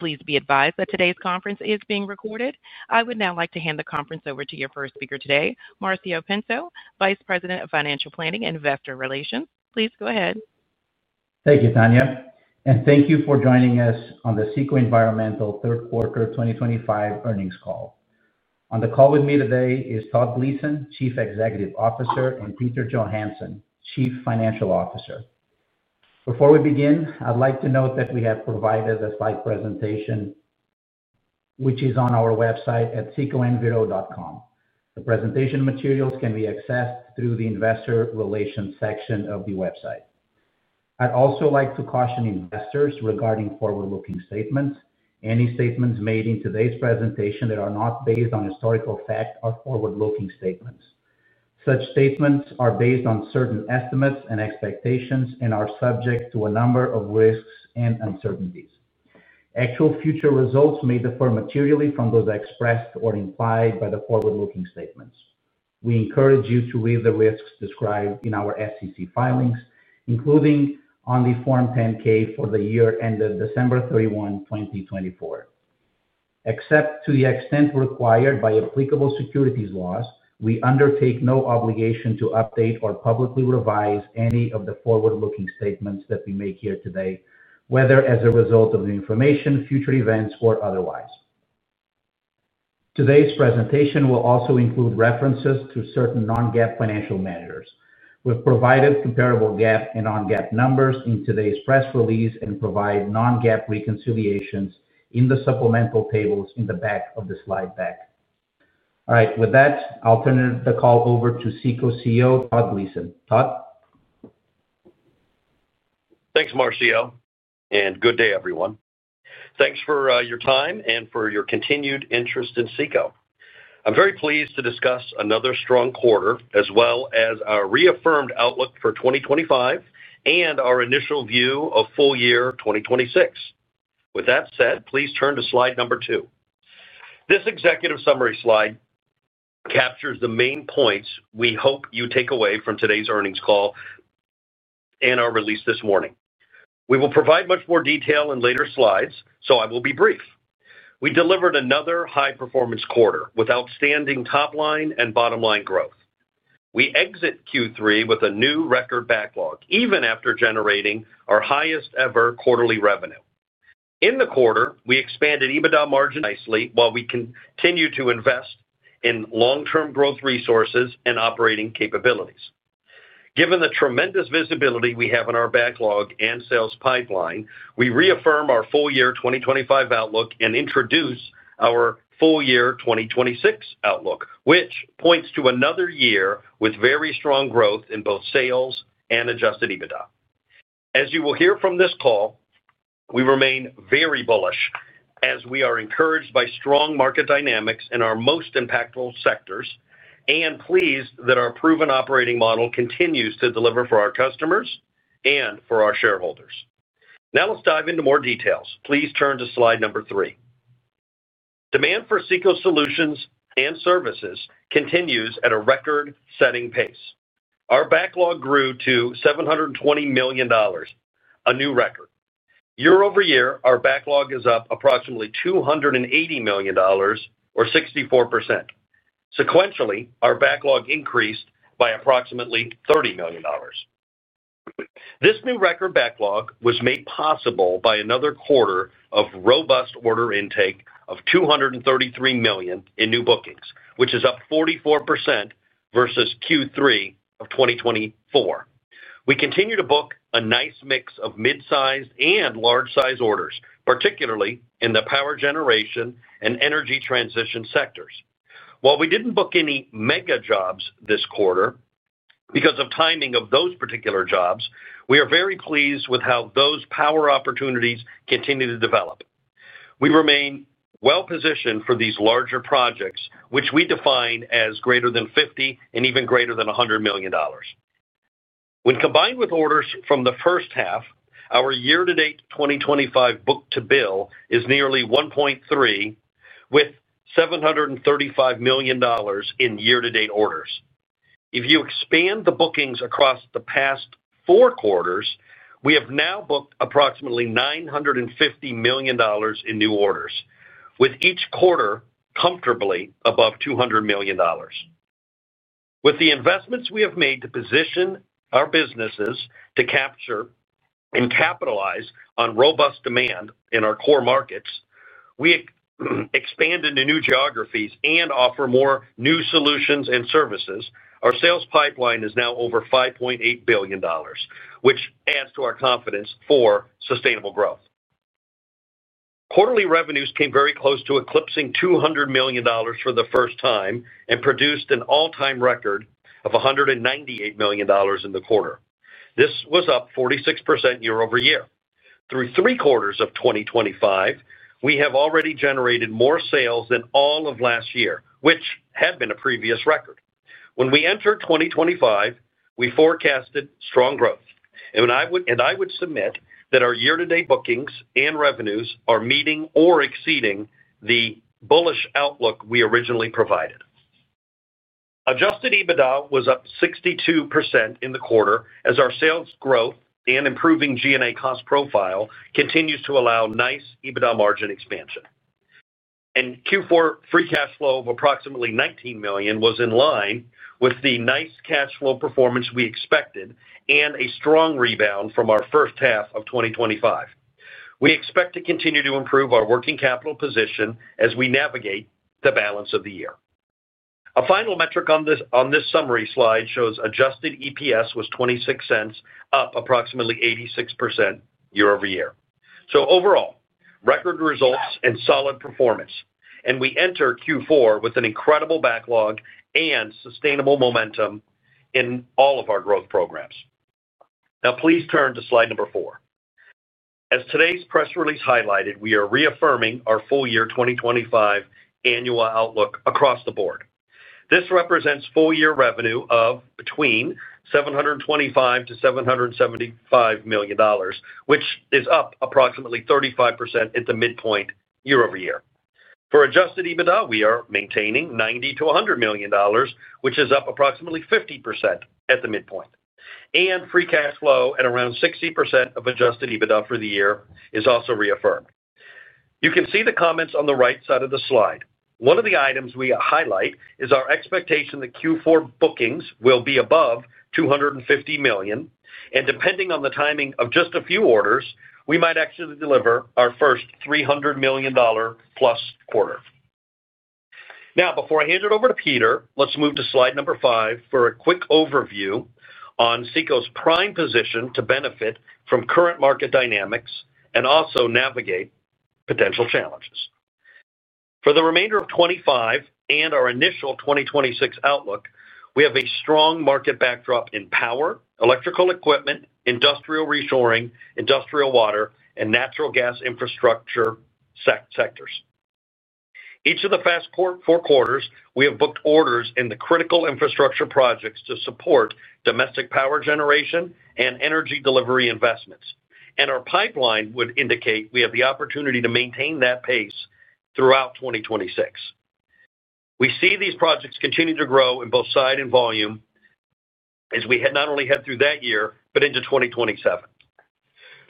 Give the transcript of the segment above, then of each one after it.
Please be advised that today's conference is being recorded. I would now like to hand the conference over to your first speaker today, Marcio Pinto, Vice President of Financial Planning and Investor Relations. Please go ahead. Thank you, Tanya, and thank you for joining us on the CECO Environmental third quarter 2025 earnings call. On the call with me today is Todd Gleason, Chief Executive Officer, and Peter Johansson, Chief Financial Officer. Before we begin, I'd like to note that we have provided a slide presentation, which is on our website at cecoenviro.com. The presentation materials can be accessed through the Investor Relations section of the website. I'd also like to caution investors regarding forward-looking statements. Any statements made in today's presentation are not based on historical fact or are forward-looking statements. Such statements are based on certain estimates and expectations and are subject to a number of risks and uncertainties. Actual future results may differ materially from those expressed or implied by the forward-looking statements. We encourage you to read the risks described in our SEC filings, including on the Form 10-K for the year ended December 31, 2024. Except to the extent required by applicable securities laws, we undertake no obligation to update or publicly revise any of the forward-looking statements that we make here today, whether as a result of new information, future events, or otherwise. Today's presentation will also include references to certain non-GAAP financial measures. We've provided comparable GAAP and non-GAAP numbers in today's press release and provide non-GAAP reconciliations in the supplemental tables in the back of the slide deck. All right, with that, I'll turn the call over to CECO CEO Todd Gleason. Todd? Thanks, Marcio, and good day, everyone. Thanks for your time and for your continued interest in CECO. I'm very pleased to discuss another strong quarter, as well as our reaffirmed outlook for 2025 and our initial view of full year 2026. With that said, please turn to slide number two. This executive summary slide captures the main points we hope you take away from today's earnings call and our release this morning. We will provide much more detail in later slides, so I will be brief. We delivered another high-performance quarter with outstanding top-line and bottom-line growth. We exit Q3 with a new record backlog, even after generating our highest ever quarterly revenue. In the quarter, we expanded EBITDA margin nicely, while we continue to invest in long-term growth resources and operating capabilities. Given the tremendous visibility we have in our backlog and sales pipeline, we reaffirm our full year 2025 outlook and introduce our full year 2026 outlook, which points to another year with very strong growth in both sales and adjusted EBITDA. As you will hear from this call, we remain very bullish, as we are encouraged by strong market dynamics in our most impactful sectors and pleased that our proven Operating Model continues to deliver for our customers and for our shareholders. Now let's dive into more details. Please turn to slide number three. Demand for CECO solutions and services continues at a record-setting pace. Our backlog grew to $720 million, a new record. Year-over-year, our backlog is up approximately $280 million, or 64%. Sequentially, our backlog increased by approximately $30 million. This new record backlog was made possible by another quarter of robust order intake of $233 million in new bookings, which is up 44% versus Q3 of 2024. We continue to book a nice mix of mid-sized and large-sized orders, particularly in the power generation and energy transition sectors. While we didn't book any mega jobs this quarter, because of timing of those particular jobs, we are very pleased with how those power opportunities continue to develop. We remain well positioned for these larger projects, which we define as greater than $50 million and even greater than $100 million. When combined with orders from the first half, our year-to-date 2025 Book-to-bill is nearly 1.3x with $735 million in year-to-date orders. If you expand the bookings across the past four quarters, we have now booked approximately $950 million in new orders, with each quarter comfortably above $200 million. With the investments we have made to position our businesses to capture and capitalize on robust demand in our core markets, we expand into new geographies and offer more new solutions and services. Our sales pipeline is now over $5.8 billion, which adds to our confidence for sustainable growth. Quarterly revenues came very close to eclipsing $200 million for the first time and produced an all-time record of $198 million in the quarter. This was up 46% year-over-year. Through three quarters of 2025, we have already generated more sales than all of last year, which had been a previous record. When we entered 2025, we forecasted strong growth, and I would submit that our year-to-date bookings and revenues are meeting or exceeding the bullish outlook we originally provided. Adjusted EBITDA was up 62% in the quarter, as our sales growth and improving G&A cost profile continue to allow nice EBITDA margin expansion. Q4 Free Cash Flow of approximately $19 million was in line with the nice cash flow performance we expected and a strong rebound from our first half of 2025. We expect to continue to improve our working capital position as we navigate the balance of the year. A final metric on this summary slide shows adjusted EPS was $0.26, up approximately 86% year-over-year. Overall, record results and solid performance, and we enter Q4 with an incredible backlog and sustainable momentum in all of our growth programs. Now please turn to slide number four. As today's press release highlighted, we are reaffirming our full year 2025 annual outlook across the board. This represents full year revenue of between $725 million-$775 million, which is up approximately 35% at the midpoint year-over-year. For adjusted EBITDA, we are maintaining $90 million-$100 million, which is up approximately 50% at the midpoint. Free Cash Flow at around 60% of adjusted EBITDA for the year is also reaffirmed. You can see the comments on the right side of the slide. One of the items we highlight is our expectation that Q4 bookings will be above $250 million, and depending on the timing of just a few orders, we might actually deliver our first $300 million+ quarter. Now, before I hand it over to Peter, let's move to slide number five for a quick overview on CECO's prime position to benefit from current market dynamics and also navigate potential challenges. For the remainder of 2025 and our initial 2026 outlook, we have a strong market backdrop in power, electrical equipment, industrial reshoring, industrial water, and natural gas infrastructure sectors. Each of the past four quarters, we have booked orders in the critical infrastructure projects to support domestic power generation and energy delivery investments. Our pipeline would indicate we have the opportunity to maintain that pace throughout 2026. We see these projects continue to grow in both size and volume as we not only head through that year, but into 2027.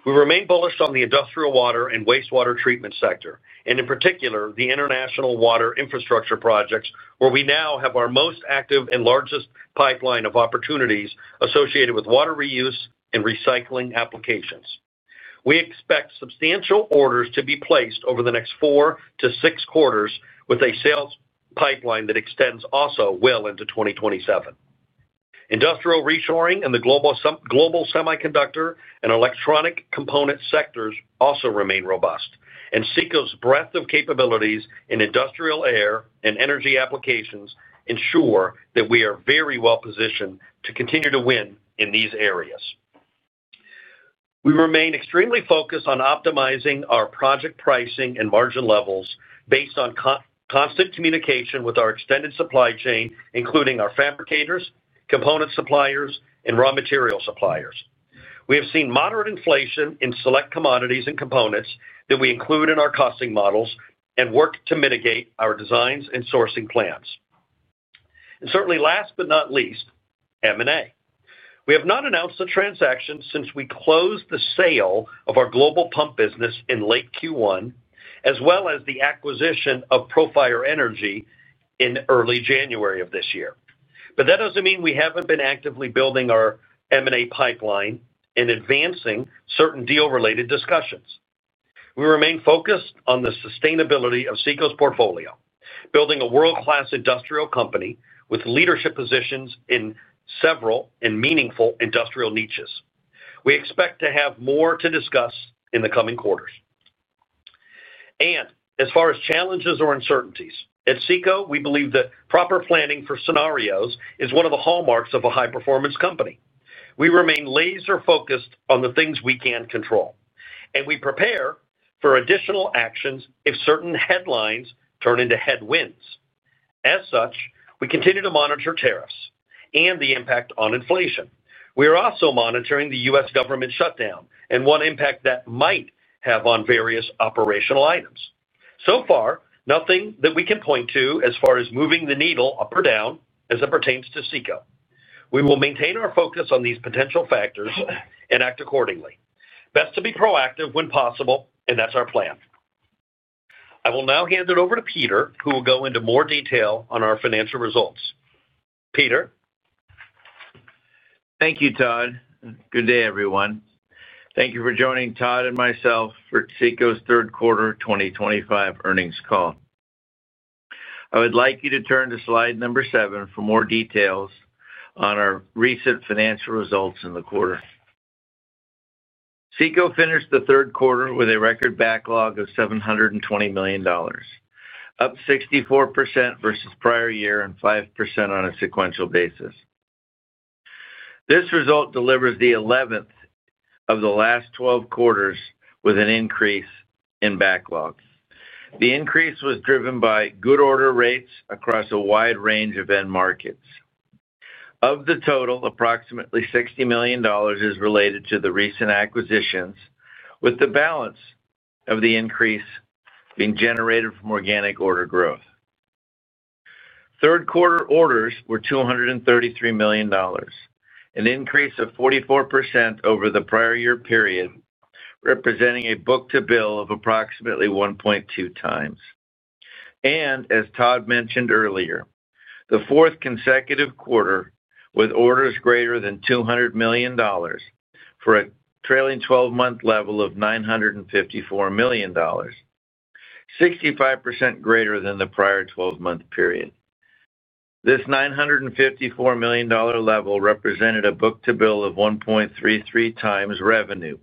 We remain bullish on the industrial water and wastewater treatment sector, and in particular, the international water infrastructure projects where we now have our most active and largest pipeline of opportunities associated with water reuse and recycling applications. We expect substantial orders to be placed over the next four to six quarters, with a sales pipeline that extends also well into 2027. Industrial reshoring and the global semiconductor and electronic component sectors also remain robust. CECO's breadth of capabilities in industrial air and energy applications ensure that we are very well positioned to continue to win in these areas. We remain extremely focused on optimizing our project pricing and margin levels based on constant communication with our extended supply chain, including our fabricators, component suppliers, and raw material suppliers. We have seen moderate inflation in select commodities and components that we include in our costing models and work to mitigate our designs and sourcing plans. Certainly, last but not least, M&A. We have not announced the transaction since we closed the sale of our global pump business in late Q1, as well as the acquisition of Profire Energy in early January of this year. That doesn't mean we haven't been actively building our M&A pipeline and advancing certain deal-related discussions. We remain focused on the sustainability of CECO's portfolio, building a world-class industrial company with leadership positions in several meaningful industrial niches. We expect to have more to discuss in the coming quarters. As far as challenges or uncertainties, at CECO, we believe that proper planning for scenarios is one of the hallmarks of a high-performance company. We remain laser-focused on the things we can control, and we prepare for additional actions if certain headlines turn into headwinds. We continue to monitor tariffs and the impact on inflation. We are also monitoring the U.S. government shutdown and what impact that might have on various operational items. So far, nothing that we can point to as far as moving the needle up or down as it pertains to CECO. We will maintain our focus on these potential factors and act accordingly. Best to be proactive when possible, and that's our plan. I will now hand it over to Peter, who will go into more detail on our financial results. Peter? Thank you, Todd. Good day, everyone. Thank you for joining Todd and myself for CECO's third quarter 2025 earnings call. I would like you to turn to slide number seven for more details on our recent financial results in the quarter. CECO finished the third quarter with a record backlog of $720 million, up 64% versus prior year and 5% on a sequential basis. This result delivers the 11th of the last 12 quarters with an increase in backlog. The increase was driven by good order rates across a wide range of end markets. Of the total, approximately $60 million is related to the recent acquisitions, with the balance of the increase being generated from organic order growth. Third quarter orders were $233 million, an increase of 44% over the prior year period, representing a Book-to-bill of approximately 1.2x. As Todd mentioned earlier, the fourth consecutive quarter with orders greater than $200 million for a trailing 12-month level of $954 million, 65% greater than the prior 12-month period. This $954 million level represented a Book-to-bill of 1.33x revenue,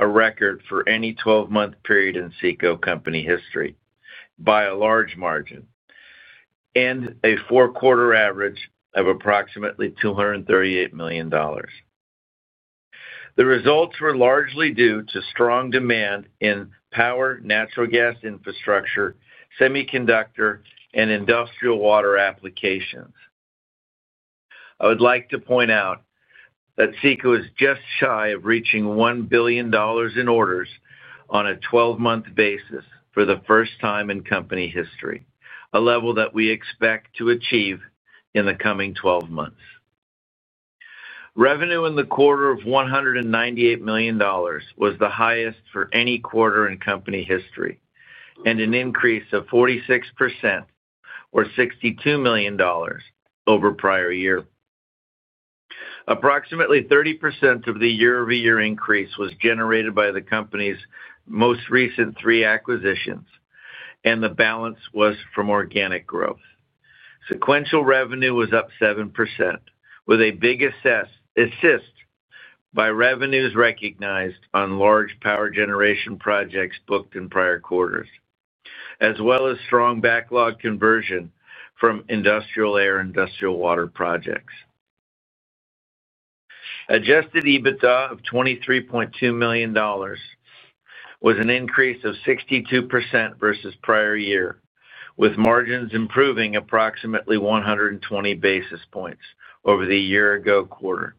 a record for any 12-month period in CECO company history, by a large margin, and a four-quarter average of approximately $238 million. The results were largely due to strong demand in power, natural gas infrastructure, semiconductor, and industrial water applications. I would like to point out that CECO is just shy of reaching $1 billion in orders on a 12-month basis for the first time in company history, a level that we expect to achieve in the coming 12 months. Revenue in the quarter of $198 million was the highest for any quarter in company history, and an increase of 46% or $62 million over prior year. Approximately 30% of the year-over-year increase was generated by the company's most recent three acquisitions, and the balance was from organic growth. Sequential revenue was up 7%, with a big assist by revenues recognized on large power generation projects booked in prior quarters, as well as strong backlog conversion from industrial air and industrial water projects. Adjusted EBITDA of $23.2 million was an increase of 62% versus prior year, with margins improving approximately 120 basis points over the year-ago quarter.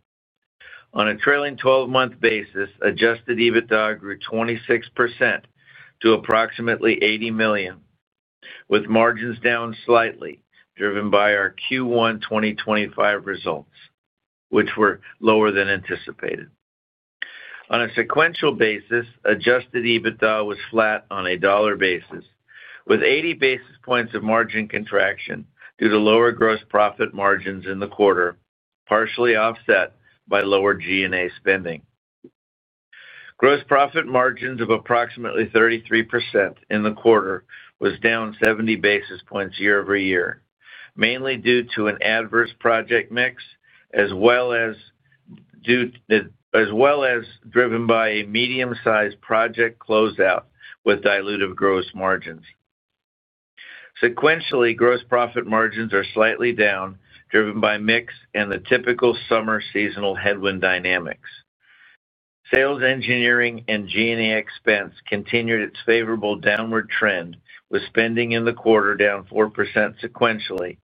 On a trailing 12-month basis, adjusted EBITDA grew 26% to approximately $80 million, with margins down slightly, driven by our Q1 2025 results, which were lower than anticipated. On a sequential basis, adjusted EBITDA was flat on a dollar basis, with 80 basis points of margin contraction due to lower Gross Profit Margins in the quarter, partially offset by lower G&A spending. Gross Profit Margins of approximately 33% in the quarter were down 70 basis points year-over-year, mainly due to an adverse project mix, as well as driven by a medium-sized project closeout with dilutive gross margins. Sequentially, Gross Profit Margins are slightly down, driven by mix and the typical summer seasonal headwind dynamics. Sales engineering and G&A expense continued its favorable downward trend, with spending in the quarter down 4% sequentially,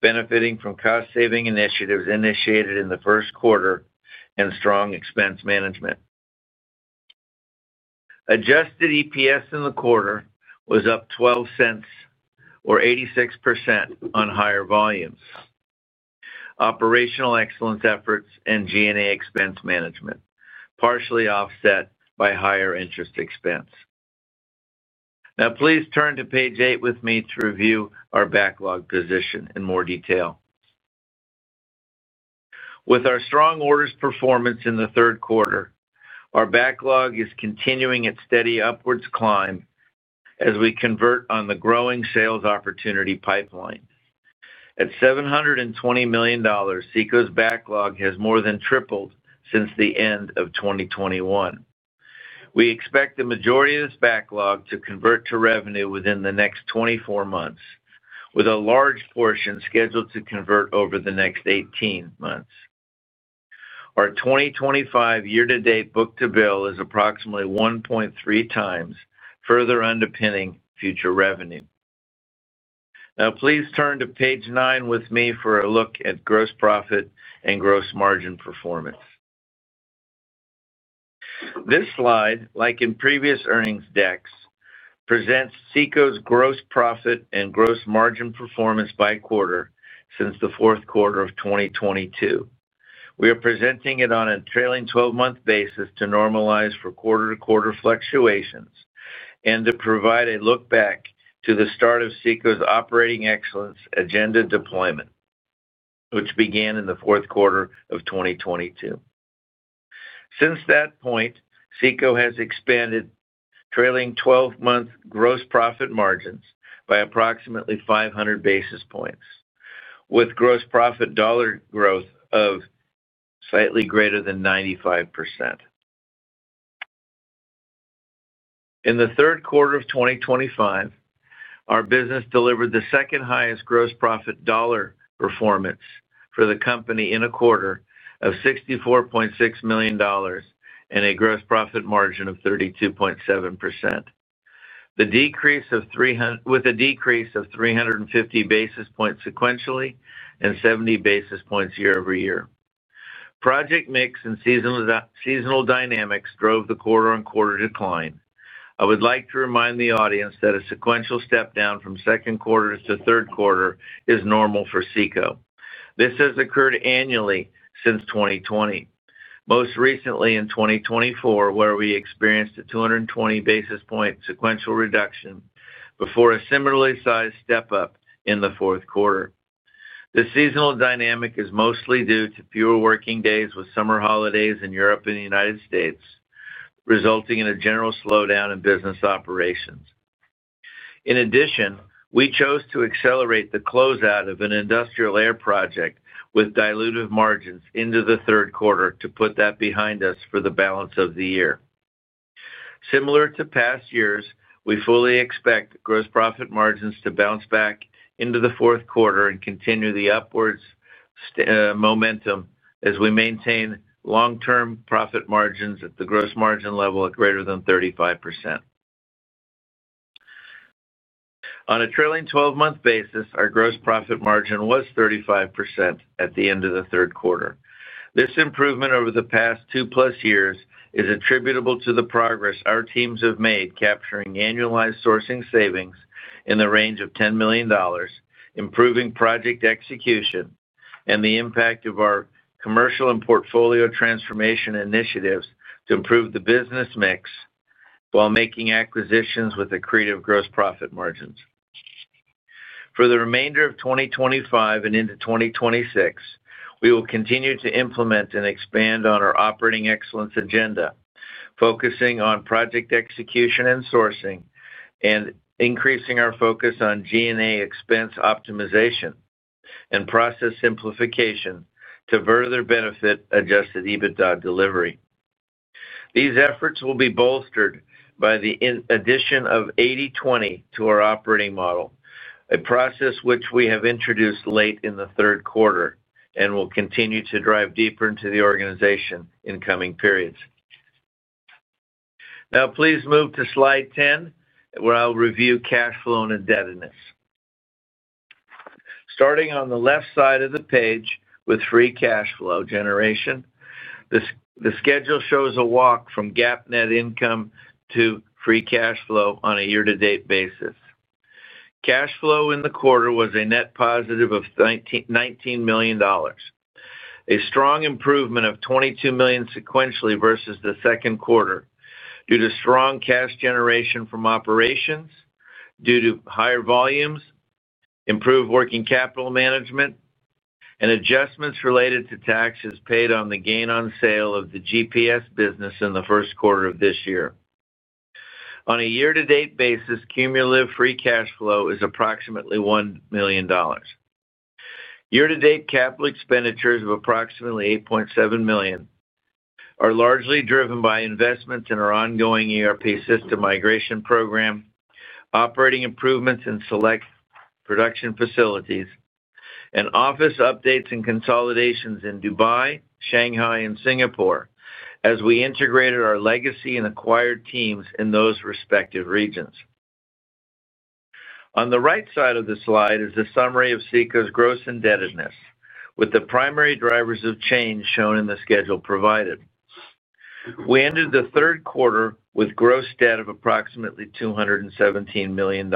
benefiting from cost-saving initiatives initiated in the first quarter and strong expense management. Adjusted EPS in the quarter was up $0.12 or 86% on higher volumes. Operational excellence efforts and G&A expense management partially offset by higher interest expense. Now please turn to page eight with me to review our backlog position in more detail. With our strong orders performance in the third quarter, our backlog is continuing its steady upwards climb as we convert on the growing sales opportunity pipeline. At $720 million, CECO's backlog has more than tripled since the end of 2021. We expect the majority of this backlog to convert to revenue within the next 24 months, with a large portion scheduled to convert over the next 18 months. Our 2025 year-to-date Book-to-bill is approximately 1.3x, further underpinning future revenue. Now please turn to page nine with me for a look at gross profit and gross margin performance. This slide, like in previous earnings decks, presents CECO's gross profit and gross margin performance by quarter since the fourth quarter of 2022. We are presenting it on a trailing 12-month basis to normalize for quarter-to-quarter fluctuations and to provide a look back to the start of CECO's operating excellence agenda deployment, which began in the fourth quarter of 2022. Since that point, CECO has expanded trailing 12-month Gross Profit Margins by approximately 500 basis points, with gross profit dollar growth of slightly greater than 95%. In the third quarter of 2025, our business delivered the second highest gross profit dollar performance for the company in a quarter of $64.6 million and a Gross Profit Margin of 32.7%, with a decrease of 350 basis points sequentially and 70 basis points year-over-year. Project mix and seasonal dynamics drove the quarter-on-quarter decline. I would like to remind the audience that a sequential step down from second quarter to third quarter is normal for CECO. This has occurred annually since 2020, most recently in 2024, where we experienced a 220 basis point sequential reduction before a similarly sized step up in the fourth quarter. The seasonal dynamic is mostly due to fewer working days with summer holidays in Europe and the United States, resulting in a general slowdown in business operations. In addition, we chose to accelerate the closeout of an industrial air project with dilutive margins into the third quarter to put that behind us for the balance of the year. Similar to past years, we fully expect Gross Profit Margins to bounce back into the fourth quarter and continue the upwards momentum as we maintain long-term profit margins at the gross margin level of greater than 35%. On a trailing 12-month basis, our Gross Profit Margin was 35% at the end of the third quarter. This improvement over the past two-plus years is attributable to the progress our teams have made, capturing annualized sourcing savings in the range of $10 million, improving project execution, and the impact of our commercial and portfolio transformation initiatives to improve the business mix while making acquisitions with accretive Gross Profit Margins. For the remainder of 2025 and into 2026, we will continue to implement and expand on our operating excellence agenda, focusing on project execution and sourcing, and increasing our focus on G&A expense optimization and process simplification to further benefit adjusted EBITDA delivery. These efforts will be bolstered by the addition of 80/20 to our Operating Model, a process which we have introduced late in the third quarter and will continue to drive deeper into the organization in coming periods. Now please move to slide 10, where I'll review cash flow and indebtedness. Starting on the left side of the page with Free Cash Flow generation, the schedule shows a walk from GAAP net income to Free Cash Flow on a year-to-date basis. Cash flow in the quarter was a net positive of $19 million, a strong improvement of $22 million sequentially versus the second quarter due to strong cash generation from operations, due to higher volumes, improved working capital management, and adjustments related to taxes paid on the gain on sale of the GPS business in the first quarter of this year. On a year-to-date basis, cumulative Free Cash Flow is approximately $1 million. Year-to-date capital expenditures of approximately $8.7 million are largely driven by investments in our ongoing ERP System Migration program, operating improvements in select production facilities, and office updates and consolidations in Dubai, Shanghai, and Singapore as we integrated our legacy and acquired teams in those respective regions. On the right side of the slide is the summary of CECO's gross indebtedness, with the primary drivers of change shown in the schedule provided. We ended the third quarter with a gross debt of approximately $217 million,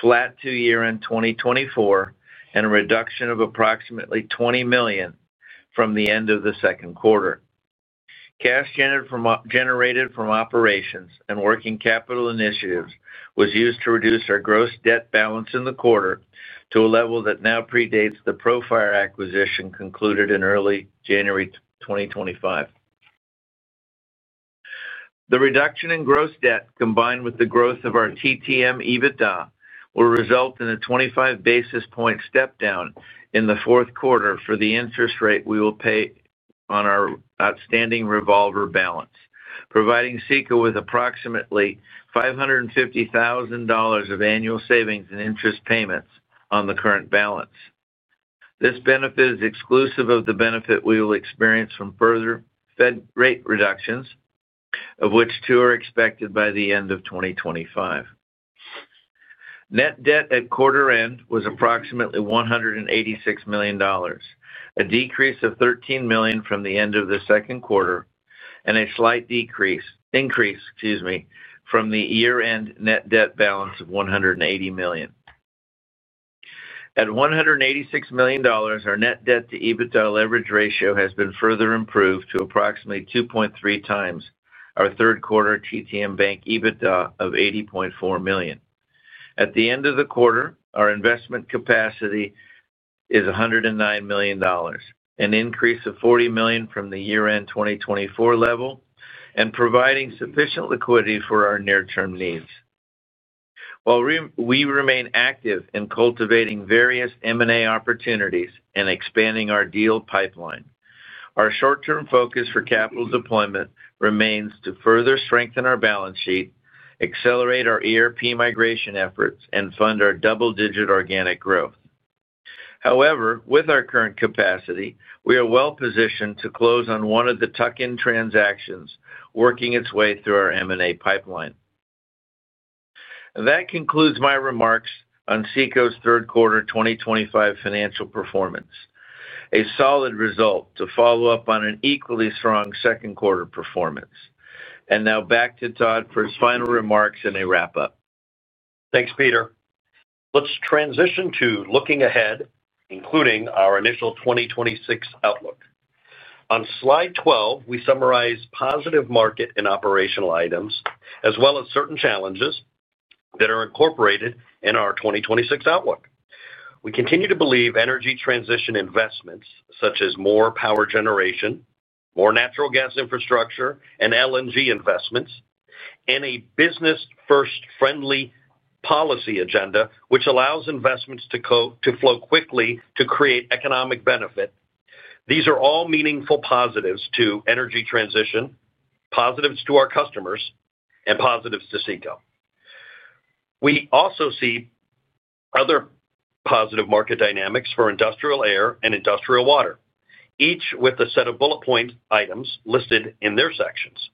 flat to year-end 2024, and a reduction of approximately $20 million from the end of the second quarter. Cash generated from operations and working capital initiatives was used to reduce our gross debt balance in the quarter to a level that now predates the Profire acquisition concluded in early January 2025. The reduction in gross debt, combined with the growth of our trailing 12-month EBITDA, will result in a 25 basis point step down in the fourth quarter for the interest rate we will pay on our outstanding revolver balance, providing CECO with approximately $550,000 of annual savings in interest payments on the current balance. This benefit is exclusive of the benefit we will experience from further Fed rate reductions, of which two are expected by the end of 2025. Net debt at quarter end was approximately $186 million, a decrease of $13 million from the end of the second quarter, and a slight increase from the year-end net debt balance of $180 million. At $186 million, our Net Debt to EBITDA Leverage Ratio has been further improved to approximately 2.3x our third quarter trailing 12-month bank EBITDA of $80.4 million. At the end of the quarter, our investment capacity is $109 million, an increase of $40 million from the year-end 2024 level, and providing sufficient liquidity for our near-term needs. While we remain active in cultivating various M&A opportunities and expanding our deal pipeline, our short-term focus for capital deployment remains to further strengthen our balance sheet, accelerate our ERP migration efforts, and fund our double-digit organic growth. However, with our current capacity, we are well positioned to close on one of the tuck-in transactions working its way through our M&A pipeline. That concludes my remarks on CECO's third quarter 2025 financial performance, a solid result to follow up on an equally strong second quarter performance. Now back to Todd for his final remarks and a wrap-up. Thanks, Peter. Let's transition to looking ahead, including our initial 2026 outlook. On slide 12, we summarize positive market and operational items, as well as certain challenges that are incorporated in our 2026 outlook. We continue to believe energy transition investments, such as more power generation, more natural gas infrastructure, and LNG investments, and a business-friendly policy agenda, which allows investments to flow quickly to create economic benefit. These are all meaningful positives to energy transition, positives to our customers, and positives to CECO. We also see other positive market dynamics for industrial air and industrial water, each with a set of bullet point items listed in their sections.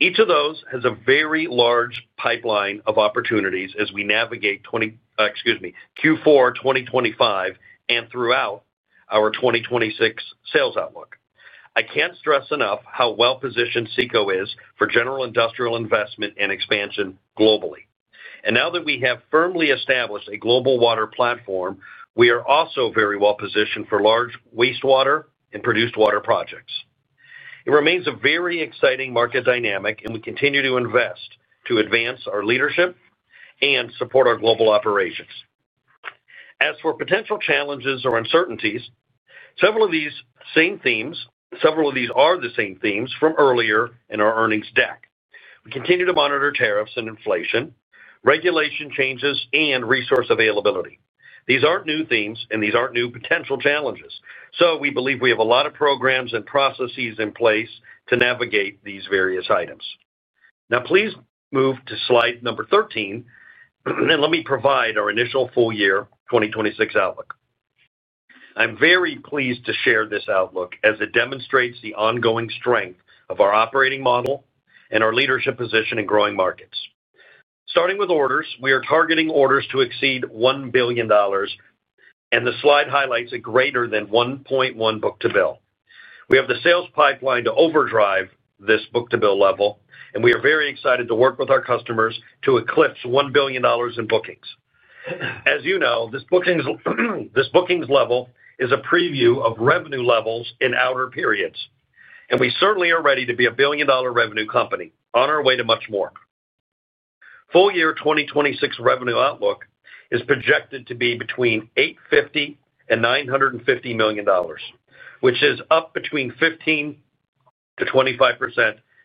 Each of those has a very large pipeline of opportunities as we navigate Q4 2025 and throughout our 2026 sales outlook. I can't stress enough how well-positioned CECO is for general industrial investment and expansion globally. Now that we have firmly established a global water platform, we are also very well positioned for large wastewater and produced water projects. It remains a very exciting market dynamic, and we continue to invest to advance our leadership and support our global operations. As for potential challenges or uncertainties, several of these are the same themes from earlier in our earnings deck. We continue to monitor tariffs and inflation, regulation changes, and resource availability. These aren't new themes, and these aren't new potential challenges. We believe we have a lot of programs and processes in place to navigate these various items. Now please move to slide number 13, and let me provide our initial full year 2026 outlook. I'm very pleased to share this outlook as it demonstrates the ongoing strength of our Operating Model and our leadership position in growing markets. Starting with orders, we are targeting orders to exceed $1 billion, and the slide highlights a greater than 1.1x Book-to-bill. We have the sales pipeline to overdrive this Book-to-bill level, and we are very excited to work with our customers to eclipse $1 billion in bookings. As you know, this bookings level is a preview of revenue levels in outer periods, and we certainly are ready to be a billion-dollar revenue company on our way to much more. Full year 2026 revenue outlook is projected to be between $850 million and $950 million, which is up between 15%-25%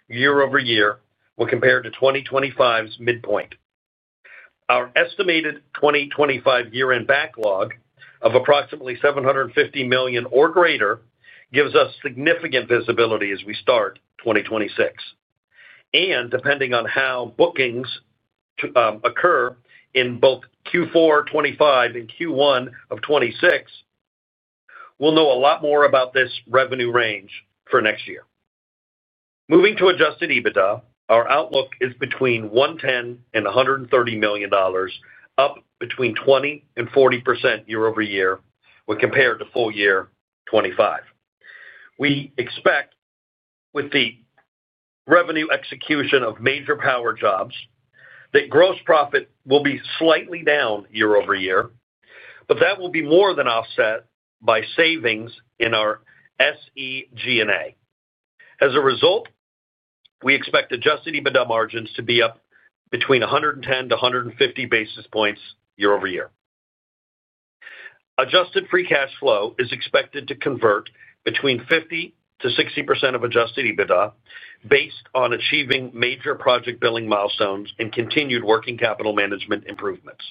year-over-year when compared to 2025's midpoint. Our estimated 2025 year-end backlog of approximately $750 million or greater gives us significant visibility as we start 2026. Depending on how bookings occur in both Q4 2025 and Q1 of 2026, we'll know a lot more about this revenue range for next year. Moving to adjusted EBITDA, our outlook is between $110 million and $130 million, up between 20% and 40% year-over-year when compared to full year 2025. We expect, with the revenue execution of major power jobs, that gross profit will be slightly down year-over-year, but that will be more than offset by savings in our SG&A. As a result, we expect adjusted EBITDA margins to be up between 110-150 basis points year-over-year. Adjusted Free Cash Flow is expected to convert between 50%-60% of adjusted EBITDA based on achieving major project billing milestones and continued working capital management improvements.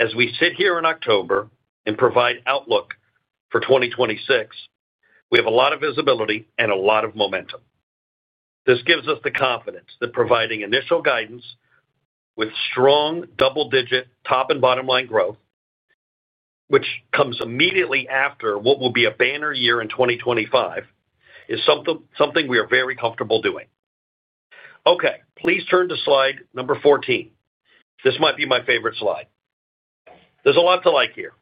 As we sit here in October and provide outlook for 2026, we have a lot of visibility and a lot of momentum. This gives us the confidence that providing initial guidance with strong double-digit top and bottom line growth, which comes immediately after what will be a banner year in 2025, is something we are very comfortable doing. Please turn to slide number 14. This might be my favorite slide. There's a lot to like here.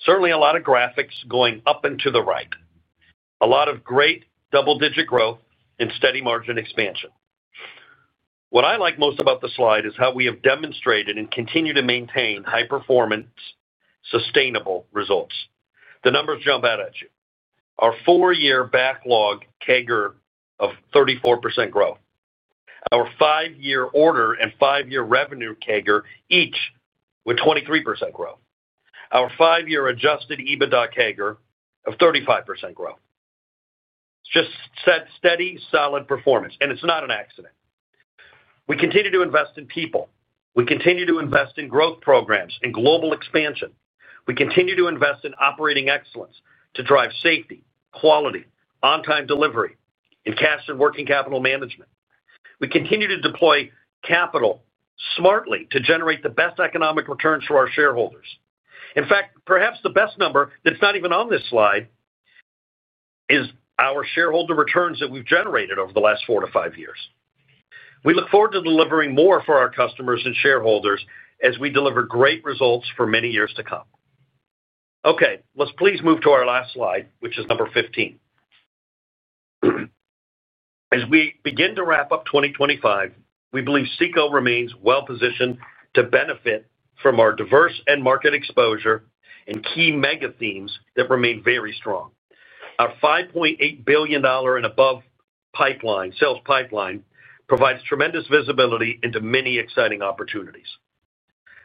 Certainly a lot of graphics going up and to the right. A lot of great double-digit growth and steady margin expansion. What I like most about the slide is how we have demonstrated and continue to maintain high-performance, sustainable results. The numbers jump out at you. Our four-year backlog CAGR of 34% growth. Our five-year order and five-year revenue CAGR each with 23% growth. Our five-year adjusted EBITDA CAGR of 35% growth. It's just steady, solid performance, and it's not an accident. We continue to invest in people. We continue to invest in growth programs and global expansion. We continue to invest in operating excellence to drive safety, quality, on-time delivery, and cash and working capital management. We continue to deploy capital smartly to generate the best economic returns for our shareholders. In fact, perhaps the best number that's not even on this slide is our shareholder returns that we've generated over the last four to five years. We look forward to delivering more for our customers and shareholders as we deliver great results for many years to come. Okay, let's please move to our last slide, which is number 15. As we begin to wrap up 2025, we believe CECO remains well positioned to benefit from our diverse end-market exposure and key mega themes that remain very strong. Our $5.8 billion and above sales pipeline provides tremendous visibility into many exciting opportunities.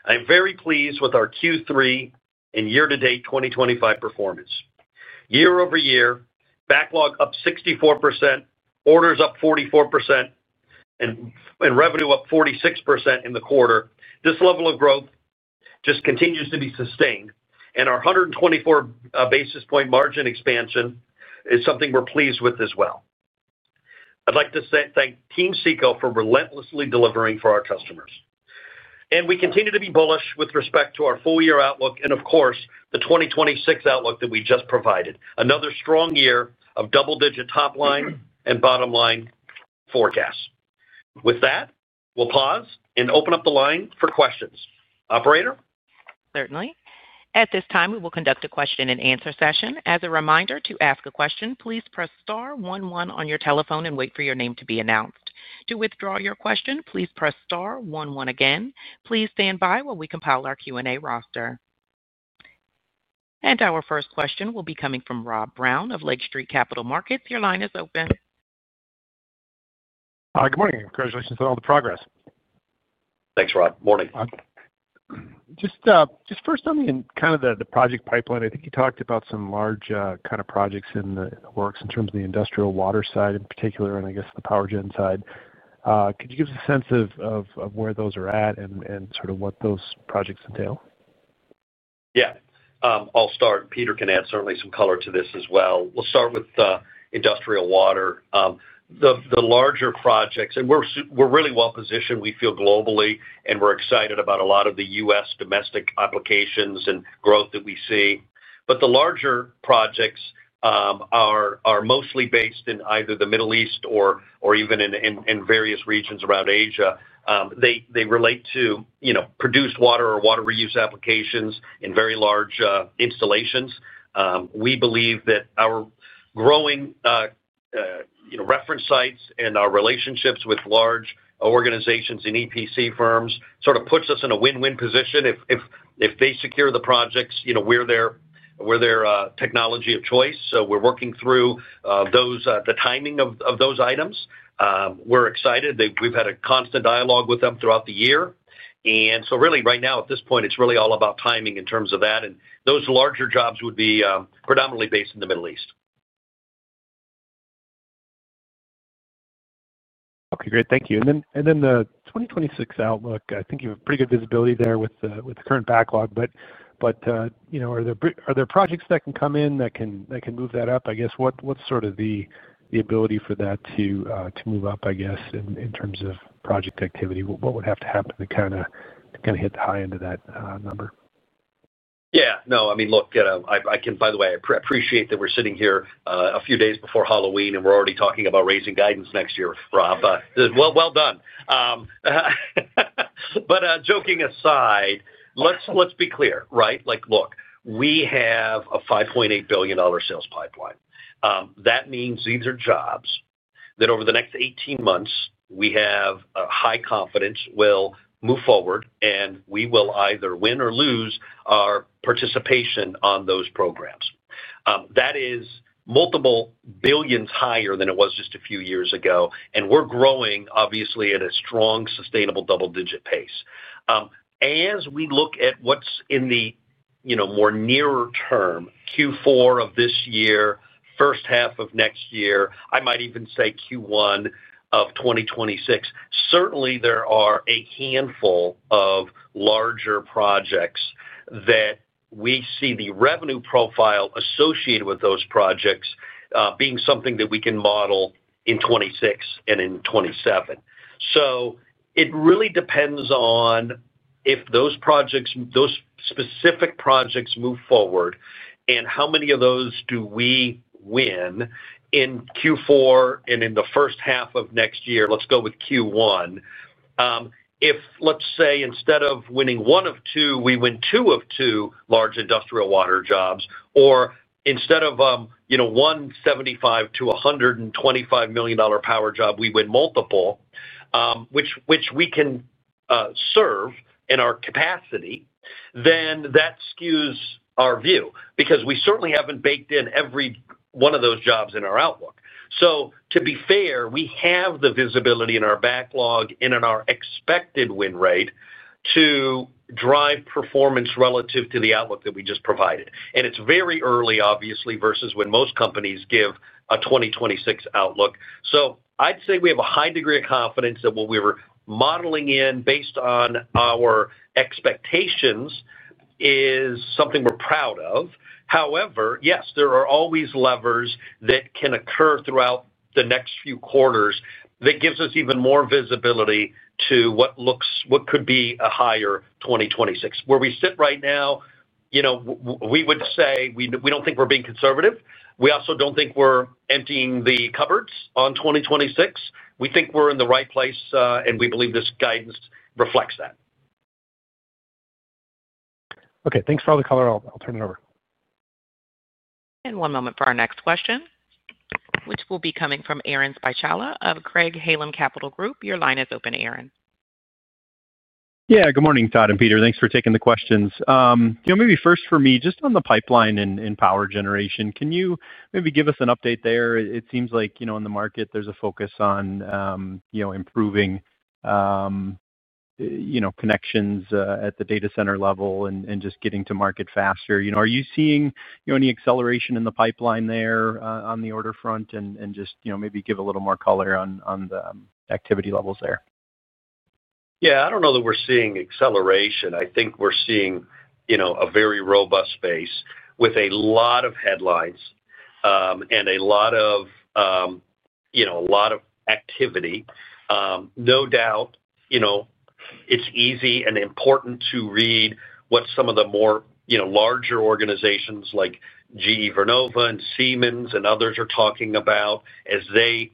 I am very pleased with our Q3 and year-to-date 2025 performance. Year-over-year, backlog up 64%, orders up 44%, and revenue up 46% in the quarter. This level of growth just continues to be sustained, and our 124 basis point margin expansion is something we're pleased with as well. I'd like to thank Team CECO for relentlessly delivering for our customers. We continue to be bullish with respect to our full year outlook and, of course, the 2026 outlook that we just provided. Another strong year of double-digit top line and bottom line forecasts. With that, we'll pause and open up the line for questions. Operator? Certainly. At this time, we will conduct a question and answer session. As a reminder, to ask a question, please press star one one on your telephone and wait for your name to be announced. To withdraw your question, please press star one one again. Please stand by while we compile our Q&A roster. Our first question will be coming from Rob Brown of Lake Street Capital Markets. Your line is open. Good morning. Congratulations on all the progress. Thanks, Rob. Morning. Just first on the kind of the project pipeline, I think you talked about some large kind of projects in the works in terms of the industrial water side in particular and I guess the power gen side. Could you give us a sense of where those are at and sort of what those projects entail? Yeah. I'll start. Peter can add certainly some color to this as well. We'll start with industrial water. The larger projects, and we're really well positioned, we feel globally, and we're excited about a lot of the U.S. domestic applications and growth that we see. The larger projects are mostly based in either the Middle East or even in various regions around Asia. They relate to produced water or water reuse applications in very large installations. We believe that our growing reference sites and our relationships with large organizations and EPC firms sort of put us in a win-win position. If they secure the projects, we're their technology of choice. We're working through the timing of those items. We're excited. We've had a constant dialogue with them throughout the year. Right now at this point, it's really all about timing in terms of that. Those larger jobs would be predominantly based in the Middle East. Okay, great. Thank you. The 2026 outlook, I think you have pretty good visibility there with the current backlog. Are there projects that can come in that can move that up? What's sort of the ability for that to move up in terms of project activity? What would have to happen to kind of hit the high end of that number? Yeah. No, I mean, look, I can, by the way, I appreciate that we're sitting here a few days before Halloween and we're already talking about raising guidance next year, Rob. Well done. Joking aside, let's be clear, right? Look, we have a $5.8 billion sales pipeline. That means these are jobs that over the next 18 months, we have a high confidence will move forward and we will either win or lose our participation on those programs. That is multiple billions higher than it was just a few years ago. We're growing, obviously, at a strong, sustainable double-digit pace. As we look at what's in the more nearer term, Q4 of this year, first half of next year, I might even say Q1 of 2026, certainly there are a handful of larger projects that we see the revenue profile associated with those projects being something that we can model in 2026 and in 2027. It really depends on if those projects, those specific projects move forward and how many of those do we win in Q4 and in the first half of next year. Let's go with Q1. If, let's say, instead of winning one of two, we win two of two large industrial water jobs, or instead of one $75 million-$125 million power job, we win multiple, which we can serve in our capacity, then that skews our view because we certainly haven't baked in every one of those jobs in our outlook. To be fair, we have the visibility in our backlog and in our expected win rate to drive performance relative to the outlook that we just provided. It's very early, obviously, versus when most companies give a 2026 outlook. I'd say we have a high degree of confidence that what we were modeling in based on our expectations is something we're proud of. However, yes, there are always levers that can occur throughout the next few quarters that give us even more visibility to what looks, what could be a higher 2026. Where we sit right now, you know, we would say we don't think we're being conservative. We also don't think we're emptying the cupboards on 2026. We think we're in the right place, and we believe this guidance reflects that. Okay, thanks for all the color. I'll turn it over. One moment for our next question, which will be coming from Aaron Spychalla of Craig-Hallum Capital Group. Your line is open, Aaron. Yeah, good morning, Todd and Peter. Thanks for taking the questions. Maybe first for me, just on the pipeline in power generation, can you give us an update there? It seems like in the market there's a focus on improving connections at the data center level and just getting to market faster. Are you seeing any acceleration in the pipeline there on the order front, and can you give a little more color on the activity levels there? I don't know that we're seeing acceleration. I think we're seeing a very robust space with a lot of headlines and a lot of activity. No doubt, it's easy and important to read what some of the more larger organizations like GE Vernova and Siemens and others are talking about as they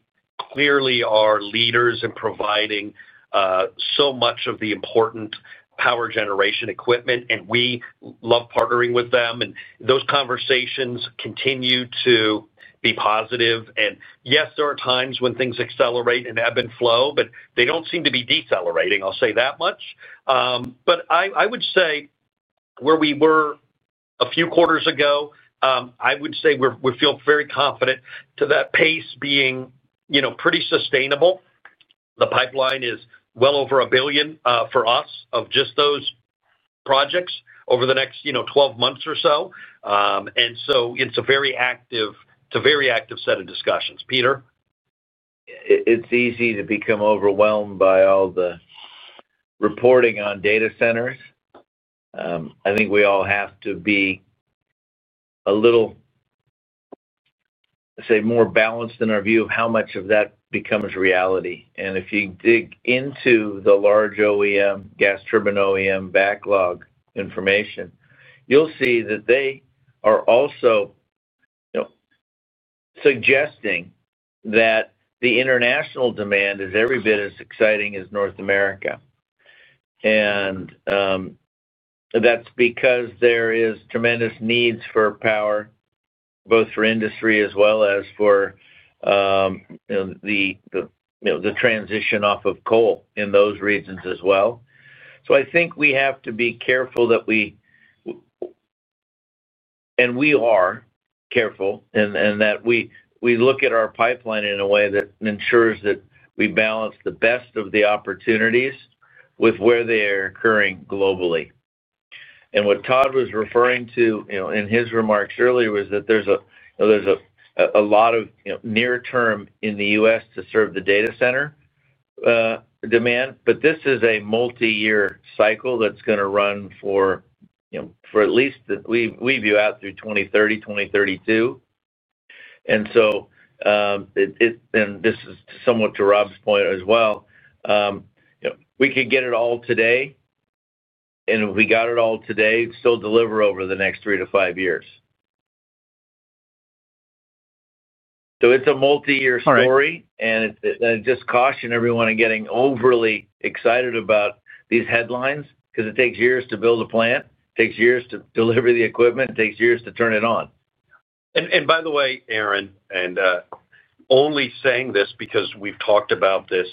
clearly are leaders in providing so much of the important power generation equipment, and we love partnering with them. Those conversations continue to be positive. Yes, there are times when things accelerate and ebb and flow, but they don't seem to be decelerating, I'll say that much. I would say where we were a few quarters ago, we feel very confident to that pace being pretty sustainable. The pipeline is well over $1 billion for us of just those projects over the next 12 months or so. It's a very active set of discussions. Peter? It's easy to become overwhelmed by all the reporting on data centers. I think we all have to be a little, say, more balanced in our view of how much of that becomes reality. If you dig into the large OEM, gas turbine OEM backlog information, you'll see that they are also suggesting that the international demand is every bit as exciting as North America. That's because there are tremendous needs for power, both for industry as well as for the transition off of coal in those regions as well. I think we have to be careful that we, and we are careful, and that we look at our pipeline in a way that ensures that we balance the best of the opportunities with where they are occurring globally. What Todd was referring to in his remarks earlier was that there's a lot of near-term in the U.S. to serve the data center demand, but this is a multi-year cycle that's going to run for at least, we view out through 2030, 2032. This is somewhat to Rob's point as well, we could get it all today, and if we got it all today, still deliver over the next three to five years. It's a multi-year story, and I just caution everyone in getting overly excited about these headlines because it takes years to build a plant, it takes years to deliver the equipment, it takes years to turn it on. By the way, Aaron, and only saying this because we've talked about this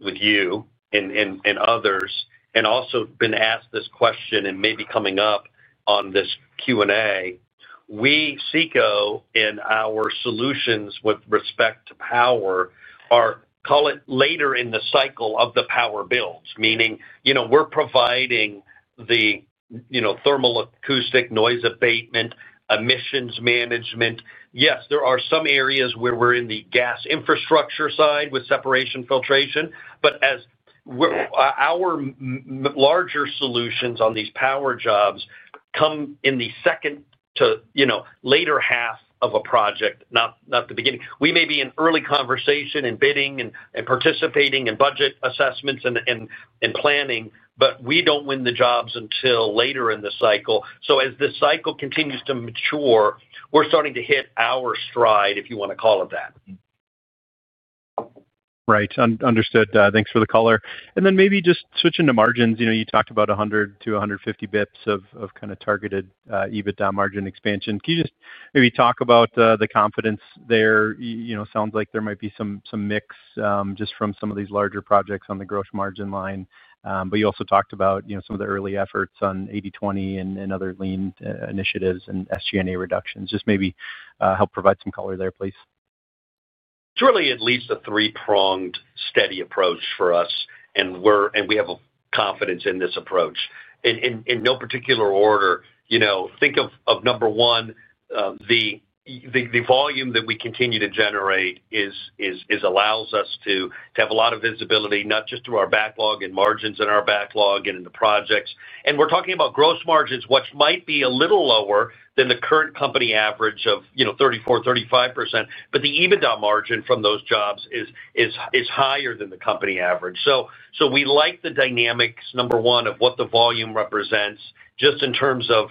with you and others, and also been asked this question and maybe coming up on this Q&A, we at CECO and our solutions with respect to power are, call it, later in the cycle of the power builds, meaning we're providing the thermal acoustic noise abatement, emissions management. Yes, there are some areas where we're in the gas infrastructure side with separation filtration, but as our larger solutions on these power jobs come in the second to later half of a project, not the beginning, we may be in early conversation and bidding and participating in budget assessments and planning, but we don't win the jobs until later in the cycle. As this cycle continues to mature, we're starting to hit our stride, if you want to call it that. Right, understood. Thanks for the color. Maybe just switching to margins, you talked about 100-150 basis points of kind of targeted adjusted EBITDA margin expansion. Can you just maybe talk about the confidence there? It sounds like there might be some mix just from some of these larger projects on the gross margin line, but you also talked about some of the early efforts on 80/20 initiatives and other lean initiatives and SG&A reductions. Maybe help provide some color there, please. Certainly, it leads to a three-pronged steady approach for us, and we have confidence in this approach. In no particular order, think of number one, the volume that we continue to generate allows us to have a lot of visibility, not just through our backlog and margins in our backlog and in the projects. We're talking about gross margins, which might be a little lower than the current company average of 34%, 35%, but the EBITDA margin from those jobs is higher than the company average. We like the dynamics, number one, of what the volume represents just in terms of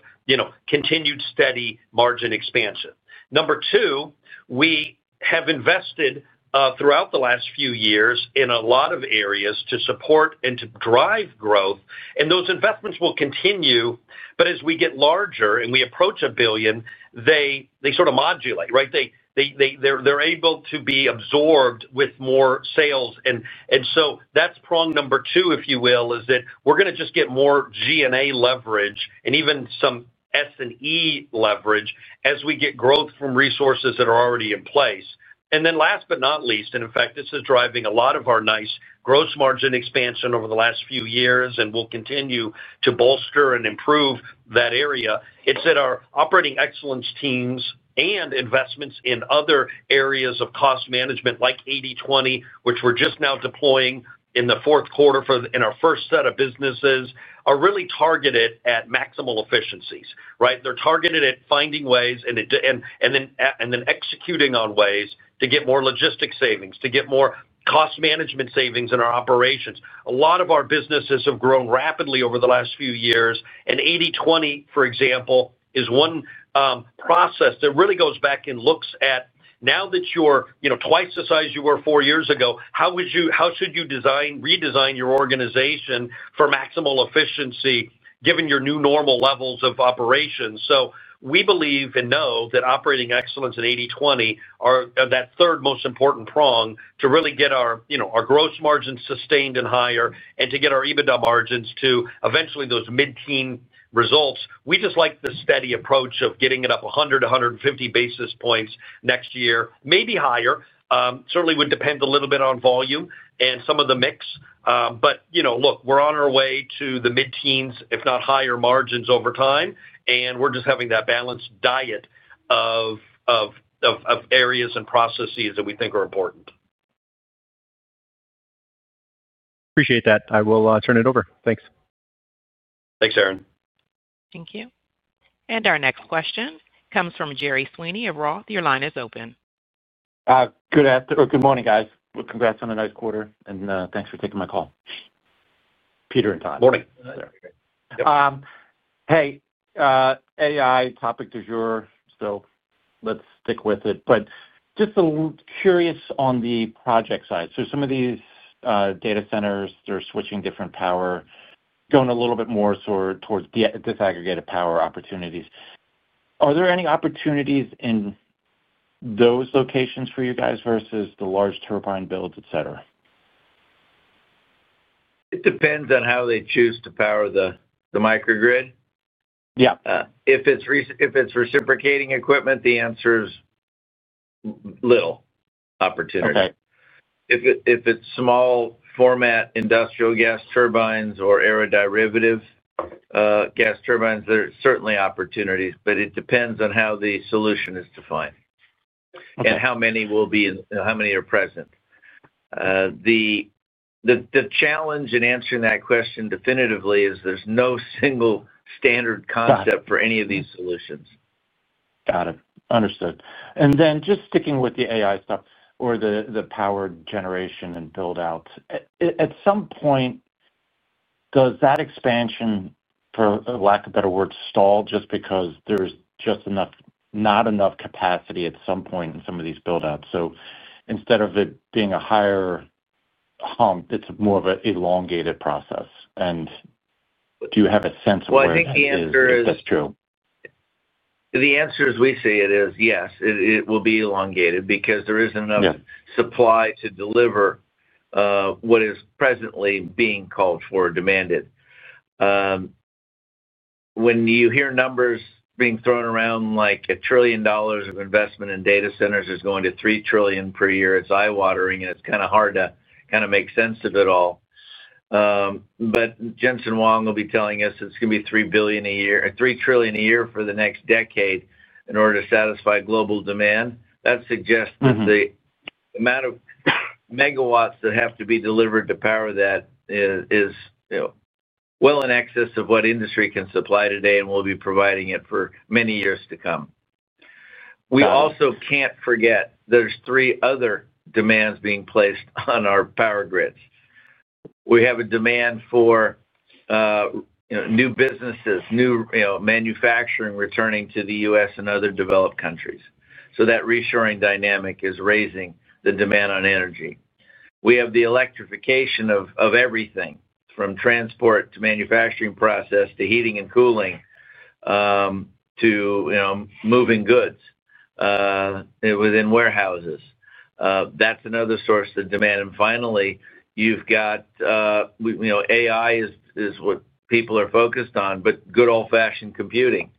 continued steady margin expansion. Number two, we have invested throughout the last few years in a lot of areas to support and to drive growth, and those investments will continue, but as we get larger and we approach a billion, they sort of modulate, right? They're able to be absorbed with more sales. That's prong number two, if you will, that we're going to just get more G&A leverage and even some S&E leverage as we get growth from resources that are already in place. Last but not least, and in fact, this is driving a lot of our nice gross margin expansion over the last few years and will continue to bolster and improve that area, it's that our operating excellence teams and investments in other areas of cost management like 80/20, which we're just now deploying in the fourth quarter in our first set of businesses, are really targeted at maximal efficiencies. They're targeted at finding ways and then executing on ways to get more logistic savings, to get more cost management savings in our operations. A lot of our businesses have grown rapidly over the last few years, and 80/20, for example, is one process that really goes back and looks at now that you're twice the size you were four years ago, how should you redesign your organization for maximal efficiency given your new normal levels of operations? We believe and know that operating excellence and 80/20 are that third most important prong to really get our gross margins sustained and higher and to get our EBITDA margins to eventually those mid-teen results. We just like the steady approach of getting it up 100-150 basis points next year, maybe higher, certainly would depend a little bit on volume and some of the mix. Look, we're on our way to the mid-teens, if not higher margins over time, and we're just having that balanced diet of areas and processes that we think are important. Appreciate that. I'll turn it over. Thanks. Thanks, Aaron. Thank you. Our next question comes from Gerry Sweeney of Roth. Your line is open. Good afternoon, or good morning, guys. Congrats on a nice quarter, and thanks for taking my call, Peter and Todd. Morning. Hey, AI topic du jour, let's stick with it. Just a little curious on the project side. Some of these data centers are switching different power, going a little bit more towards disaggregated power opportunities. Are there any opportunities in those locations for you guys versus the large turbine builds, etc.? It depends on how they choose to power the microgrid. If it's reciprocating equipment, the answer is little opportunity. If it's small format industrial gas turbines or aeroderivative gas turbines, there are certainly opportunities, but it depends on how the solution is defined and how many will be and how many are present. The challenge in answering that question definitively is there's no single standard concept for any of these solutions. Got it. Understood. Just sticking with the AI stuff or the power generation and build-out, at some point, does that expansion, for lack of a better word, stall just because there's just not enough capacity at some point in some of these build-outs? Instead of it being a higher hump, it's more of an elongated process. Do you have a sense of where that is? I think the answer is, yes, it will be elongated because there isn't enough supply to deliver what is presently being called for or demanded. When you hear numbers being thrown around like $1 trillion of investment in data centers is going to $3 trillion per year, it's eye-watering and it's kind of hard to make sense of it all. Jensen Huang will be telling us it's going to be $3 billion a year, $3 trillion a year for the next decade in order to satisfy global demand. That suggests that the amount of megawatts that have to be delivered to power that is well in excess of what industry can supply today and will be providing it for many years to come. We also can't forget there's three other demands being placed on our power grids. We have a demand for new businesses, new manufacturing returning to the U.S. and other developed countries. That reassuring dynamic is raising the demand on energy. We have the electrification of everything from transport to manufacturing process to heating and cooling to moving goods within warehouses. That's another source of demand. Finally, you've got, you know, AI is what people are focused on, but good old-fashioned computing,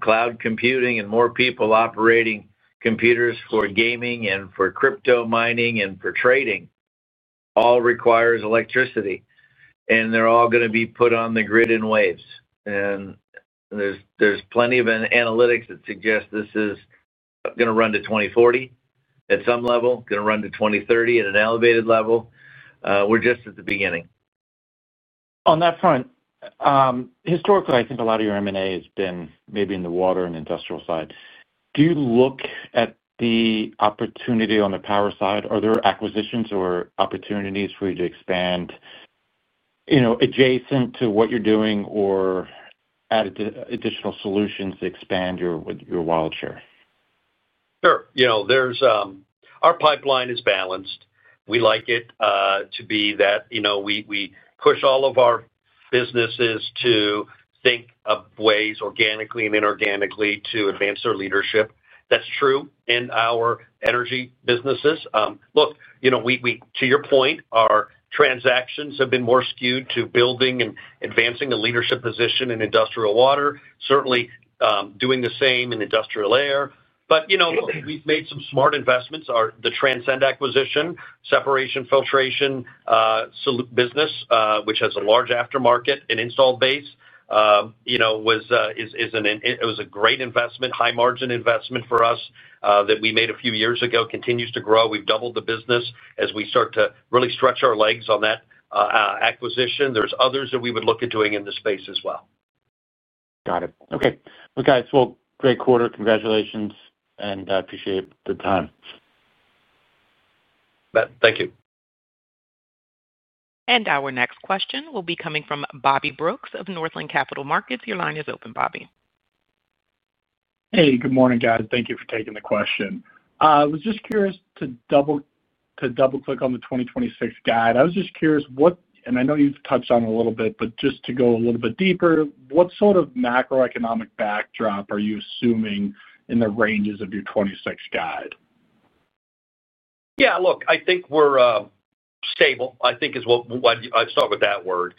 cloud computing and more people operating computers for gaming and for crypto mining and for trading all requires electricity. They're all going to be put on the grid in waves. There's plenty of analytics that suggest this is going to run to 2040 at some level, going to run to 2030 at an elevated level. We're just at the beginning. On that front, historically, I think a lot of your M&A has been maybe in the water and industrial side. Do you look at the opportunity on the power side? Are there acquisitions or opportunities for you to expand, you know, adjacent to what you're doing or add additional solutions to expand your wallet share? Sure. Our pipeline is balanced. We like it to be that. We push all of our businesses to think of ways organically and inorganically to advance their leadership. That's true in our energy businesses. To your point, our transactions have been more skewed to building and advancing a leadership position in industrial water, certainly doing the same in industrial air. We've made some smart investments. The Transcend acquisition, separation filtration business, which has a large aftermarket and install base, was a great investment, high margin investment for us that we made a few years ago, continues to grow. We've doubled the business as we start to really stretch our legs on that acquisition. There are others that we would look at doing in this space as well. Got it. Okay. Great quarter. Congratulations and I appreciate the time. Thank you. Our next question will be coming from Bobby Brooks of Northland Capital Markets. Your line is open, Bobby. Hey, good morning, guys. Thank you for taking the question. I was just curious to double-click on the 2026 guide. I was just curious what, and I know you've touched on it a little bit, but just to go a little bit deeper, what sort of macroeconomic backdrop are you assuming in the ranges of your 2026 guide? Yeah, look, I think we're stable. I think I'll start with that word.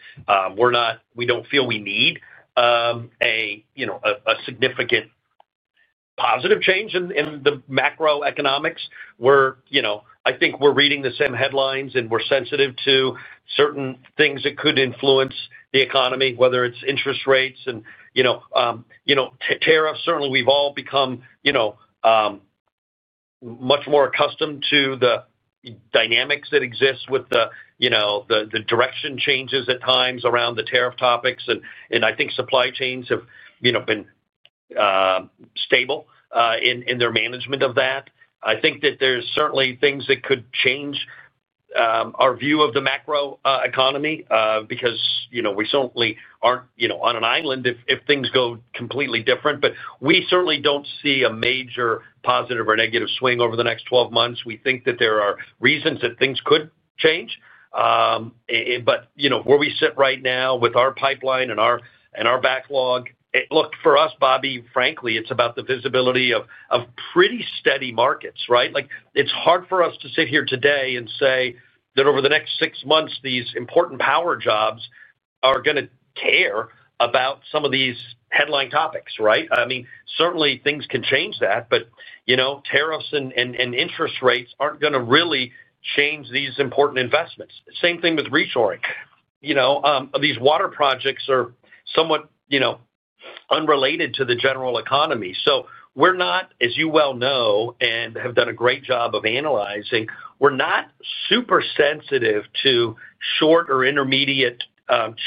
We don't feel we need a significant positive change in the macroeconomics. I think we're reading the same headlines and we're sensitive to certain things that could influence the economy, whether it's interest rates and tariffs. Certainly, we've all become much more accustomed to the dynamics that exist with the direction changes at times around the tariff topics. I think supply chains have been stable in their management of that. I think that there's certainly things that could change our view of the macroeconomy because we certainly aren't on an island if things go completely different. We certainly don't see a major positive or negative swing over the next 12 months. We think that there are reasons that things could change. Where we sit right now with our pipeline and our backlog, look, for us, Bobby, frankly, it's about the visibility of pretty steady markets, right? It's hard for us to sit here today and say that over the next six months, these important power jobs are going to care about some of these headline topics, right? Certainly, things can change that, but tariffs and interest rates aren't going to really change these important investments. Same thing with reshoring. These water projects are somewhat unrelated to the general economy. We're not, as you well know and have done a great job of analyzing, we're not super sensitive to short or intermediate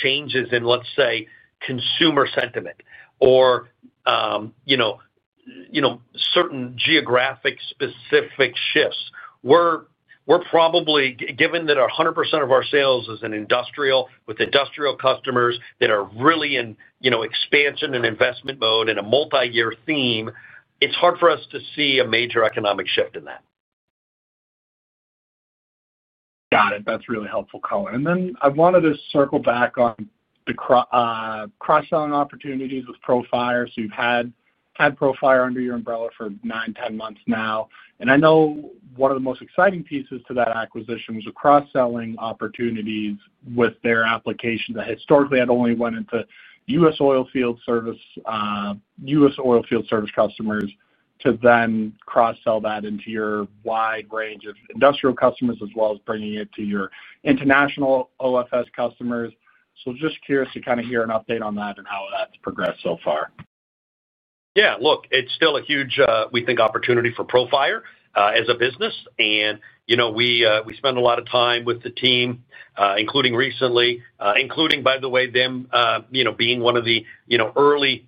changes in, let's say, consumer sentiment or certain geographic specific shifts. We're probably, given that 100% of our sales is with industrial customers that are really in expansion and investment mode in a multi-year theme, it's hard for us to see a major economic shift in that. Got it. That's really helpful color. I wanted to circle back on the cross-selling opportunities with Profire. You've had Profire under your umbrella for 9, 10 months now. I know one of the most exciting pieces to that acquisition was the cross-selling opportunities with their application that historically had only went into U.S. oilfield service customers to then cross-sell that into your wide range of industrial customers as well as bringing it to your international OFS customers. I'm just curious to kind of hear an update on that and how that's progressed so far. Yeah, look, it's still a huge, we think, opportunity for Profire as a business. We spend a lot of time with the team, including recently, including, by the way, them being one of the early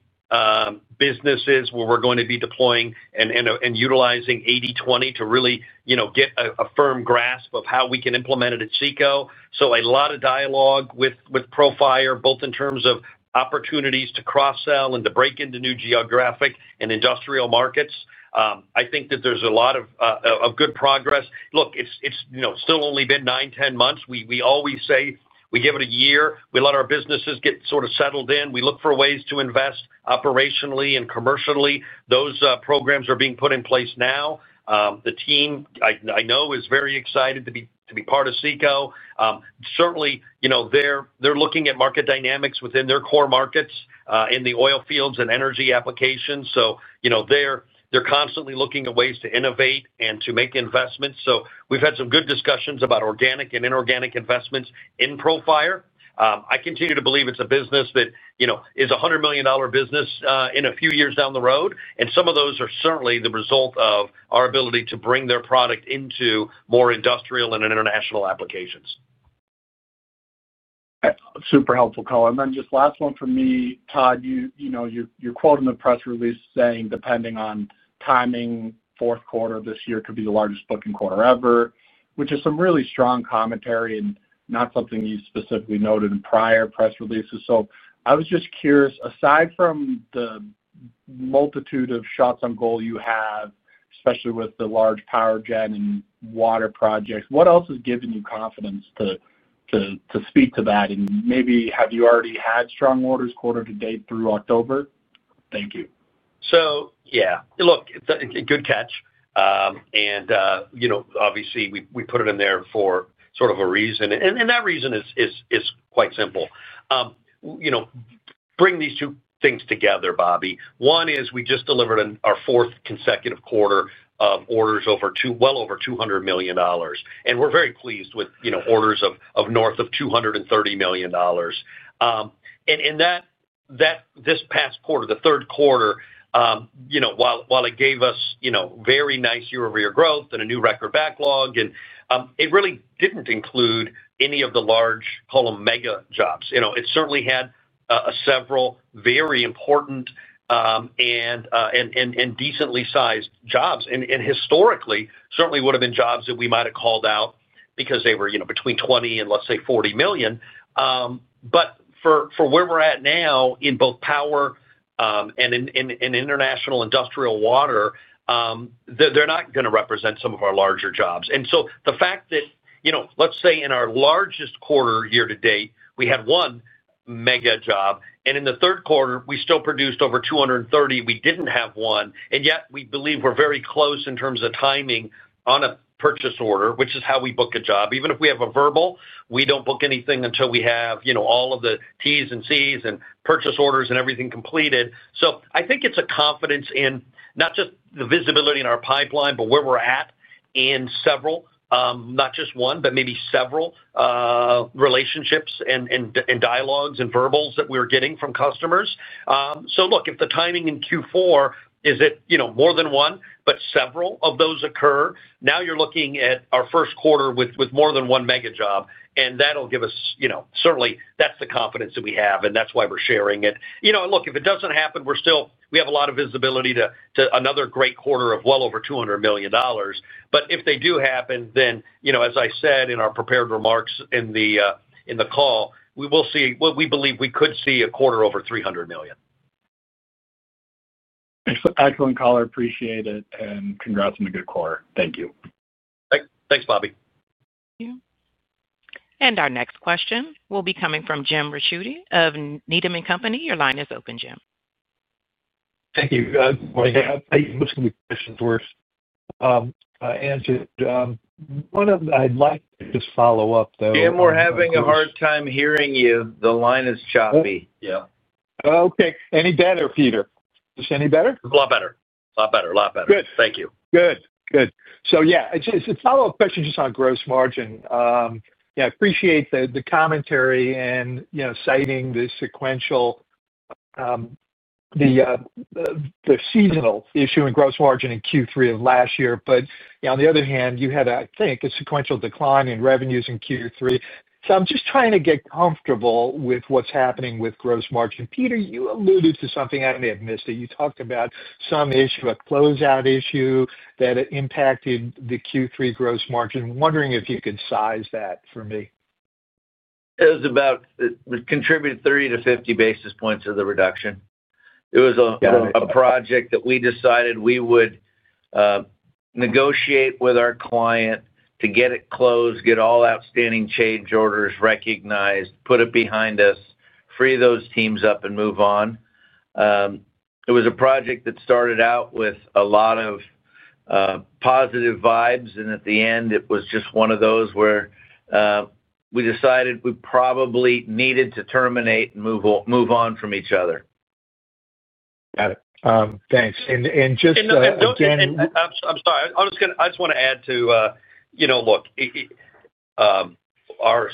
businesses where we're going to be deploying and utilizing 80/20 to really get a firm grasp of how we can implement it at CECO. A lot of dialogue with Profire, both in terms of opportunities to cross-sell and to break into new geographic and industrial markets. I think that there's a lot of good progress. It's still only been 9, 10 months. We always say we give it a year. We let our businesses get sort of settled in. We look for ways to invest operationally and commercially. Those programs are being put in place now. The team, I know, is very excited to be part of CECO. Certainly, they're looking at market dynamics within their core markets in the oil fields and energy applications. They're constantly looking at ways to innovate and to make investments. We've had some good discussions about organic and inorganic investments in Profire. I continue to believe it's a business that is a $100 million business in a few years down the road. Some of those are certainly the result of our ability to bring their product into more industrial and international applications. Super helpful color. Just last one from me, Todd, you're quoting the press release saying depending on timing, fourth quarter of this year could be the largest booking quarter ever, which is some really strong commentary and not something you specifically noted in prior press releases. I was just curious, aside from the multitude of shots on goal you have, especially with the large power gen and water projects, what else has given you confidence to speak to that? Maybe have you already had strong orders quarter to date through October? Thank you. Yeah, good catch. Obviously, we put it in there for a reason. That reason is quite simple. Bring these two things together, Bobby. One is we just delivered our fourth consecutive quarter of orders well over $200 million, and we're very pleased with orders north of $230 million. This past quarter, the third quarter, gave us very nice year-over-year growth and a new record backlog, and it really didn't include any of the large, call them mega jobs. It certainly had several very important and decently sized jobs. Historically, these certainly would have been jobs that we might have called out because they were between $20 million and, let's say, $40 million. For where we're at now in both power and in international industrial water, they're not going to represent some of our larger jobs. The fact that, let's say, in our largest quarter year to date, we had one mega job, and in the third quarter, we still produced over $230 million, we didn't have one. Yet, we believe we're very close in terms of timing on a purchase order, which is how we book a job. Even if we have a verbal, we don't book anything until we have all of the Ts and Cs and purchase orders and everything completed. I think it's a confidence in not just the visibility in our pipeline, but where we're at in several, not just one, but maybe several relationships and dialogues and verbals that we're getting from customers. If the timing in Q4 is that more than one, but several of those occur, now you're looking at our first quarter with more than one mega job. That'll give us, certainly, that's the confidence that we have, and that's why we're sharing it. If it doesn't happen, we still have a lot of visibility to another great quarter of well over $200 million. If they do happen, then, as I said in our prepared remarks in the call, we will see, what we believe we could see, a quarter over $300 million. Excellent call. I appreciate it and congrats on a good quarter. Thank you. Thanks, Bobby. Thank you. Our next question will be coming from Jim Ricchiuti of Needham & Company. Your line is open, Jim. Thank you. I'm looking at the questions where I answered. I'd like to just follow up though. Jim, we're having a hard time hearing you. The line is choppy. Yeah. Okay. Any better, Peter? Just any better? A lot better. A lot better. A lot better. Good. Thank you. Good. It's a follow-up question just on gross margin. I appreciate the commentary and, you know, citing the sequential, the seasonal issue in gross margin in Q3 of last year. On the other hand, you had, I think, a sequential decline in revenues in Q3. I'm just trying to get comfortable with what's happening with gross margin. Peter, you alluded to something. I may have missed it. You talked about some issue, a closeout issue that impacted the Q3 gross margin. Wondering if you could size that for me. It contributed 30-50 basis points of the reduction. It was a project that we decided we would negotiate with our client to get it closed, get all outstanding change orders recognized, put it behind us, free those teams up, and move on. It was a project that started out with a lot of positive vibes, and at the end, it was just one of those where we decided we probably needed to terminate and move on from each other. Got it. Thanks. I'm sorry. I just want to add, our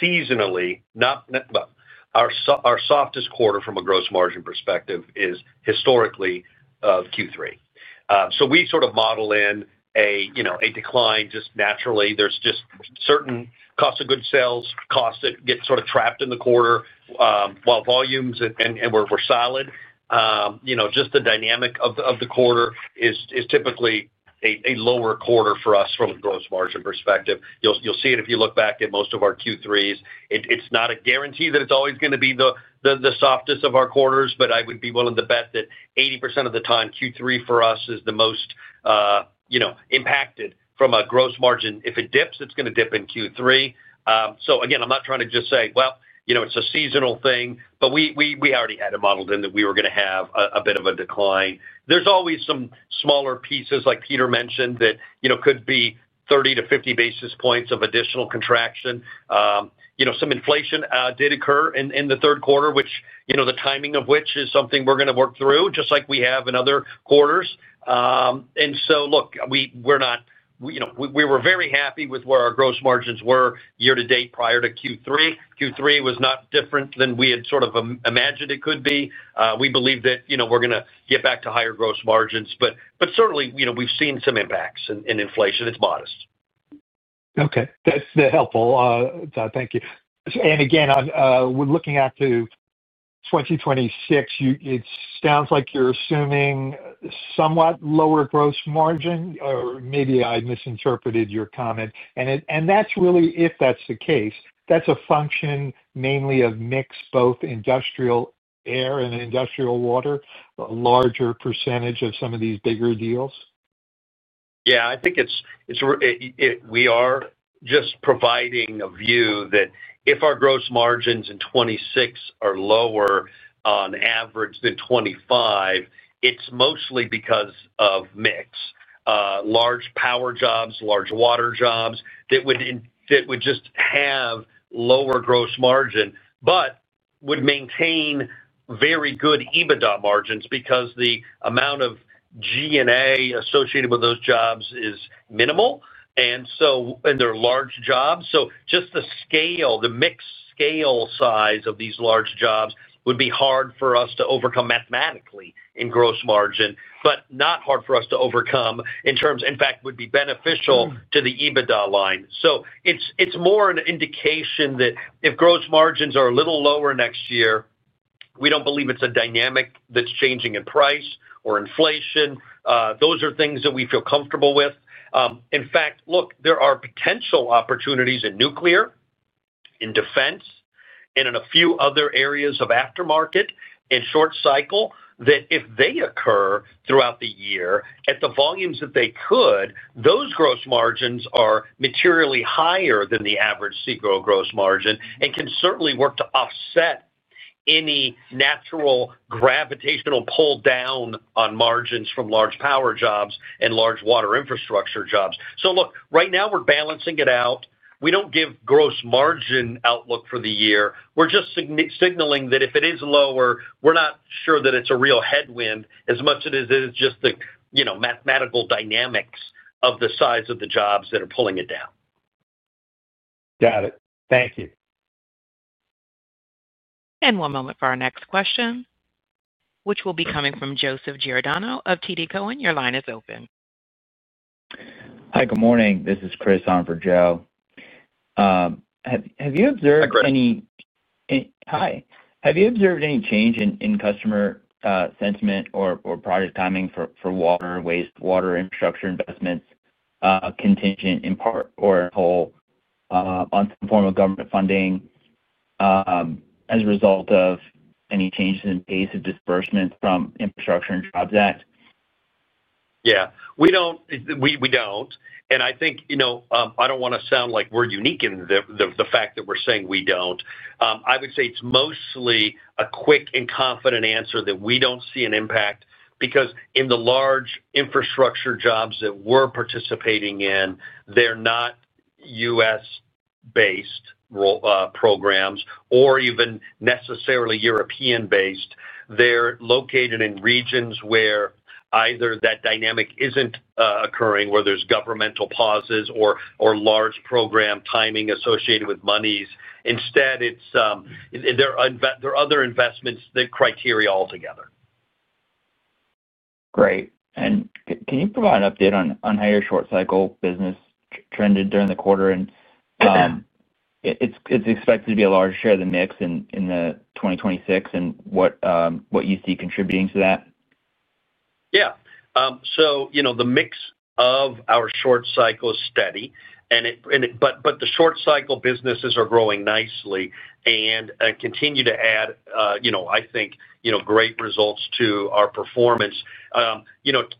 seasonally, not our softest quarter from a gross margin perspective is historically Q3. We sort of model in a decline just naturally. There are certain cost of goods sales costs that get trapped in the quarter while volumes were solid. The dynamic of the quarter is typically a lower quarter for us from a gross margin perspective. You'll see it if you look back at most of our Q3s. It's not a guarantee that it's always going to be the softest of our quarters, but I would be willing to bet that 80% of the time, Q3 for us is the most impacted from a gross margin. If it dips, it's going to dip in Q3. I'm not trying to just say it's a seasonal thing, but we already had it modeled in that we were going to have a bit of a decline. There are always some smaller pieces, like Peter mentioned, that could be 30-50 basis points of additional contraction. Some inflation did occur in the third quarter, the timing of which is something we're going to work through, just like we have in other quarters. We're not, we were very happy with where our gross margins were year to date prior to Q3. Q3 was not different than we had imagined it could be. We believe that we're going to get back to higher gross margins, but certainly we've seen some impacts in inflation. It's modest. Okay. That's helpful, Todd. Thank you. Again, we're looking out to 2026. It sounds like you're assuming a somewhat lower gross margin, or maybe I misinterpreted your comment. If that's the case, that's a function mainly of mix, both industrial air and industrial water, a larger percentage of some of these bigger deals? Yeah, I think we are just providing a view that if our gross margins in 2026 are lower on average than 2025, it's mostly because of mix. Large power jobs, large water jobs that would just have lower gross margin, but would maintain very good EBITDA margins because the amount of G&A associated with those jobs is minimal. They're large jobs, so just the scale, the mixed scale size of these large jobs would be hard for us to overcome mathematically in gross margin, but not hard for us to overcome in terms, in fact, would be beneficial to the EBITDA line. It's more an indication that if gross margins are a little lower next year, we don't believe it's a dynamic that's changing in price or inflation. Those are things that we feel comfortable with. In fact, look, there are potential opportunities in nuclear, in defense, and in a few other areas of aftermarket and short cycle that if they occur throughout the year, at the volumes that they could, those gross margins are materially higher than the average CECO gross margin and can certainly work to offset any natural gravitational pull down on margins from large power jobs and large water infrastructure jobs. Right now we're balancing it out. We don't give gross margin outlook for the year. We're just signaling that if it is lower, we're not sure that it's a real headwind as much as it is just the mathematical dynamics of the size of the jobs that are pulling it down. Got it. Thank you. One moment for our next question, which will be coming from Joseph Giordano of TD Cowen. Your line is open. Hi, good morning. This is Chris on for Joe. Have you observed any? Hi, Chris. Hi. Have you observed any change in customer sentiment or project timing for water wastewater infrastructure investments, contingent in part or in whole on some form of government funding, as a result of any changes in the case of disbursement from Infrastructure and Jobs Act? We don't. I think, you know, I don't want to sound like we're unique in the fact that we're saying we don't. I would say it's mostly a quick and confident answer that we don't see an impact because in the large infrastructure jobs that we're participating in, they're not U.S.-based role programs or even necessarily European-based. They're located in regions where either that dynamic isn't occurring, where there's governmental pauses or large program timing associated with monies. Instead, there are other investment criteria altogether. Great. Can you provide an update on how your short-cycle business trended during the quarter? It's expected to be a large share of the mix in 2026, and what do you see contributing to that? Yeah. The mix of our short cycle is steady, and the short cycle businesses are growing nicely and continue to add, I think, great results to our performance.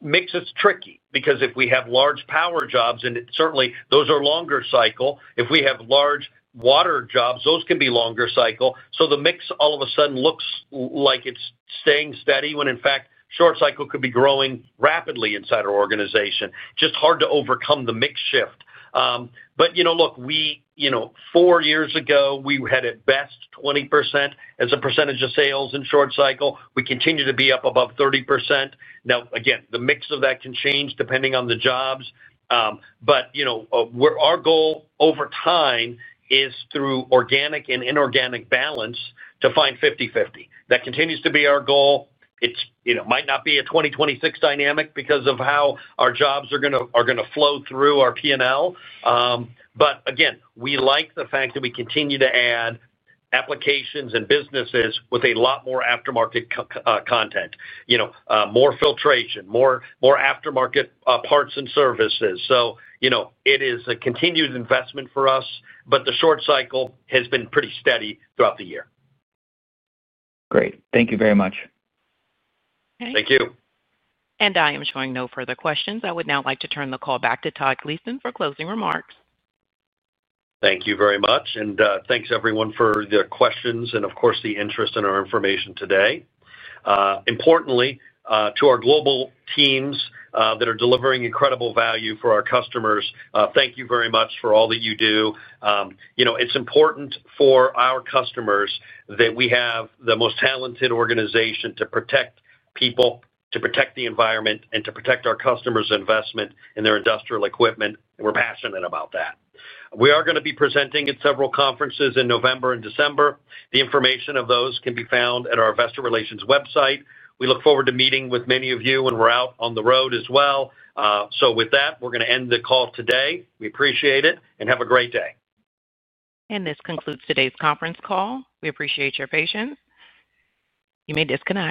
Mix is tricky because if we have large power jobs, those are longer cycle. If we have large water jobs, those can be longer cycle. The mix all of a sudden looks like it's staying steady when, in fact, short cycle could be growing rapidly inside our organization. It's just hard to overcome the mix shift. Four years ago, we had at best 20% as a percentage of sales in short cycle. We continue to be up above 30% now. Again, the mix of that can change depending on the jobs. Our goal over time is through organic and inorganic balance to find 50/50. That continues to be our goal. It might not be a 2026 dynamic because of how our jobs are going to flow through our P&L. We like the fact that we continue to add applications and businesses with a lot more aftermarket content, more filtration, more aftermarket parts and services. It is a continued investment for us, but the short cycle has been pretty steady throughout the year. Great, thank you very much. Thank you. I am showing no further questions. I would now like to turn the call back to Todd Gleason for closing remarks. Thank you very much. Thanks, everyone, for the questions and, of course, the interest in our information today. Importantly, to our global teams that are delivering incredible value for our customers, thank you very much for all that you do. It's important for our customers that we have the most talented organization to protect people, to protect the environment, and to protect our customers' investment in their industrial equipment. We're passionate about that. We are going to be presenting at several conferences in November and December. The information of those can be found at our Investor Relations website. We look forward to meeting with many of you when we're out on the road as well. With that, we're going to end the call today. We appreciate it and have a great day. This concludes today's conference call. We appreciate your patience. You may disconnect.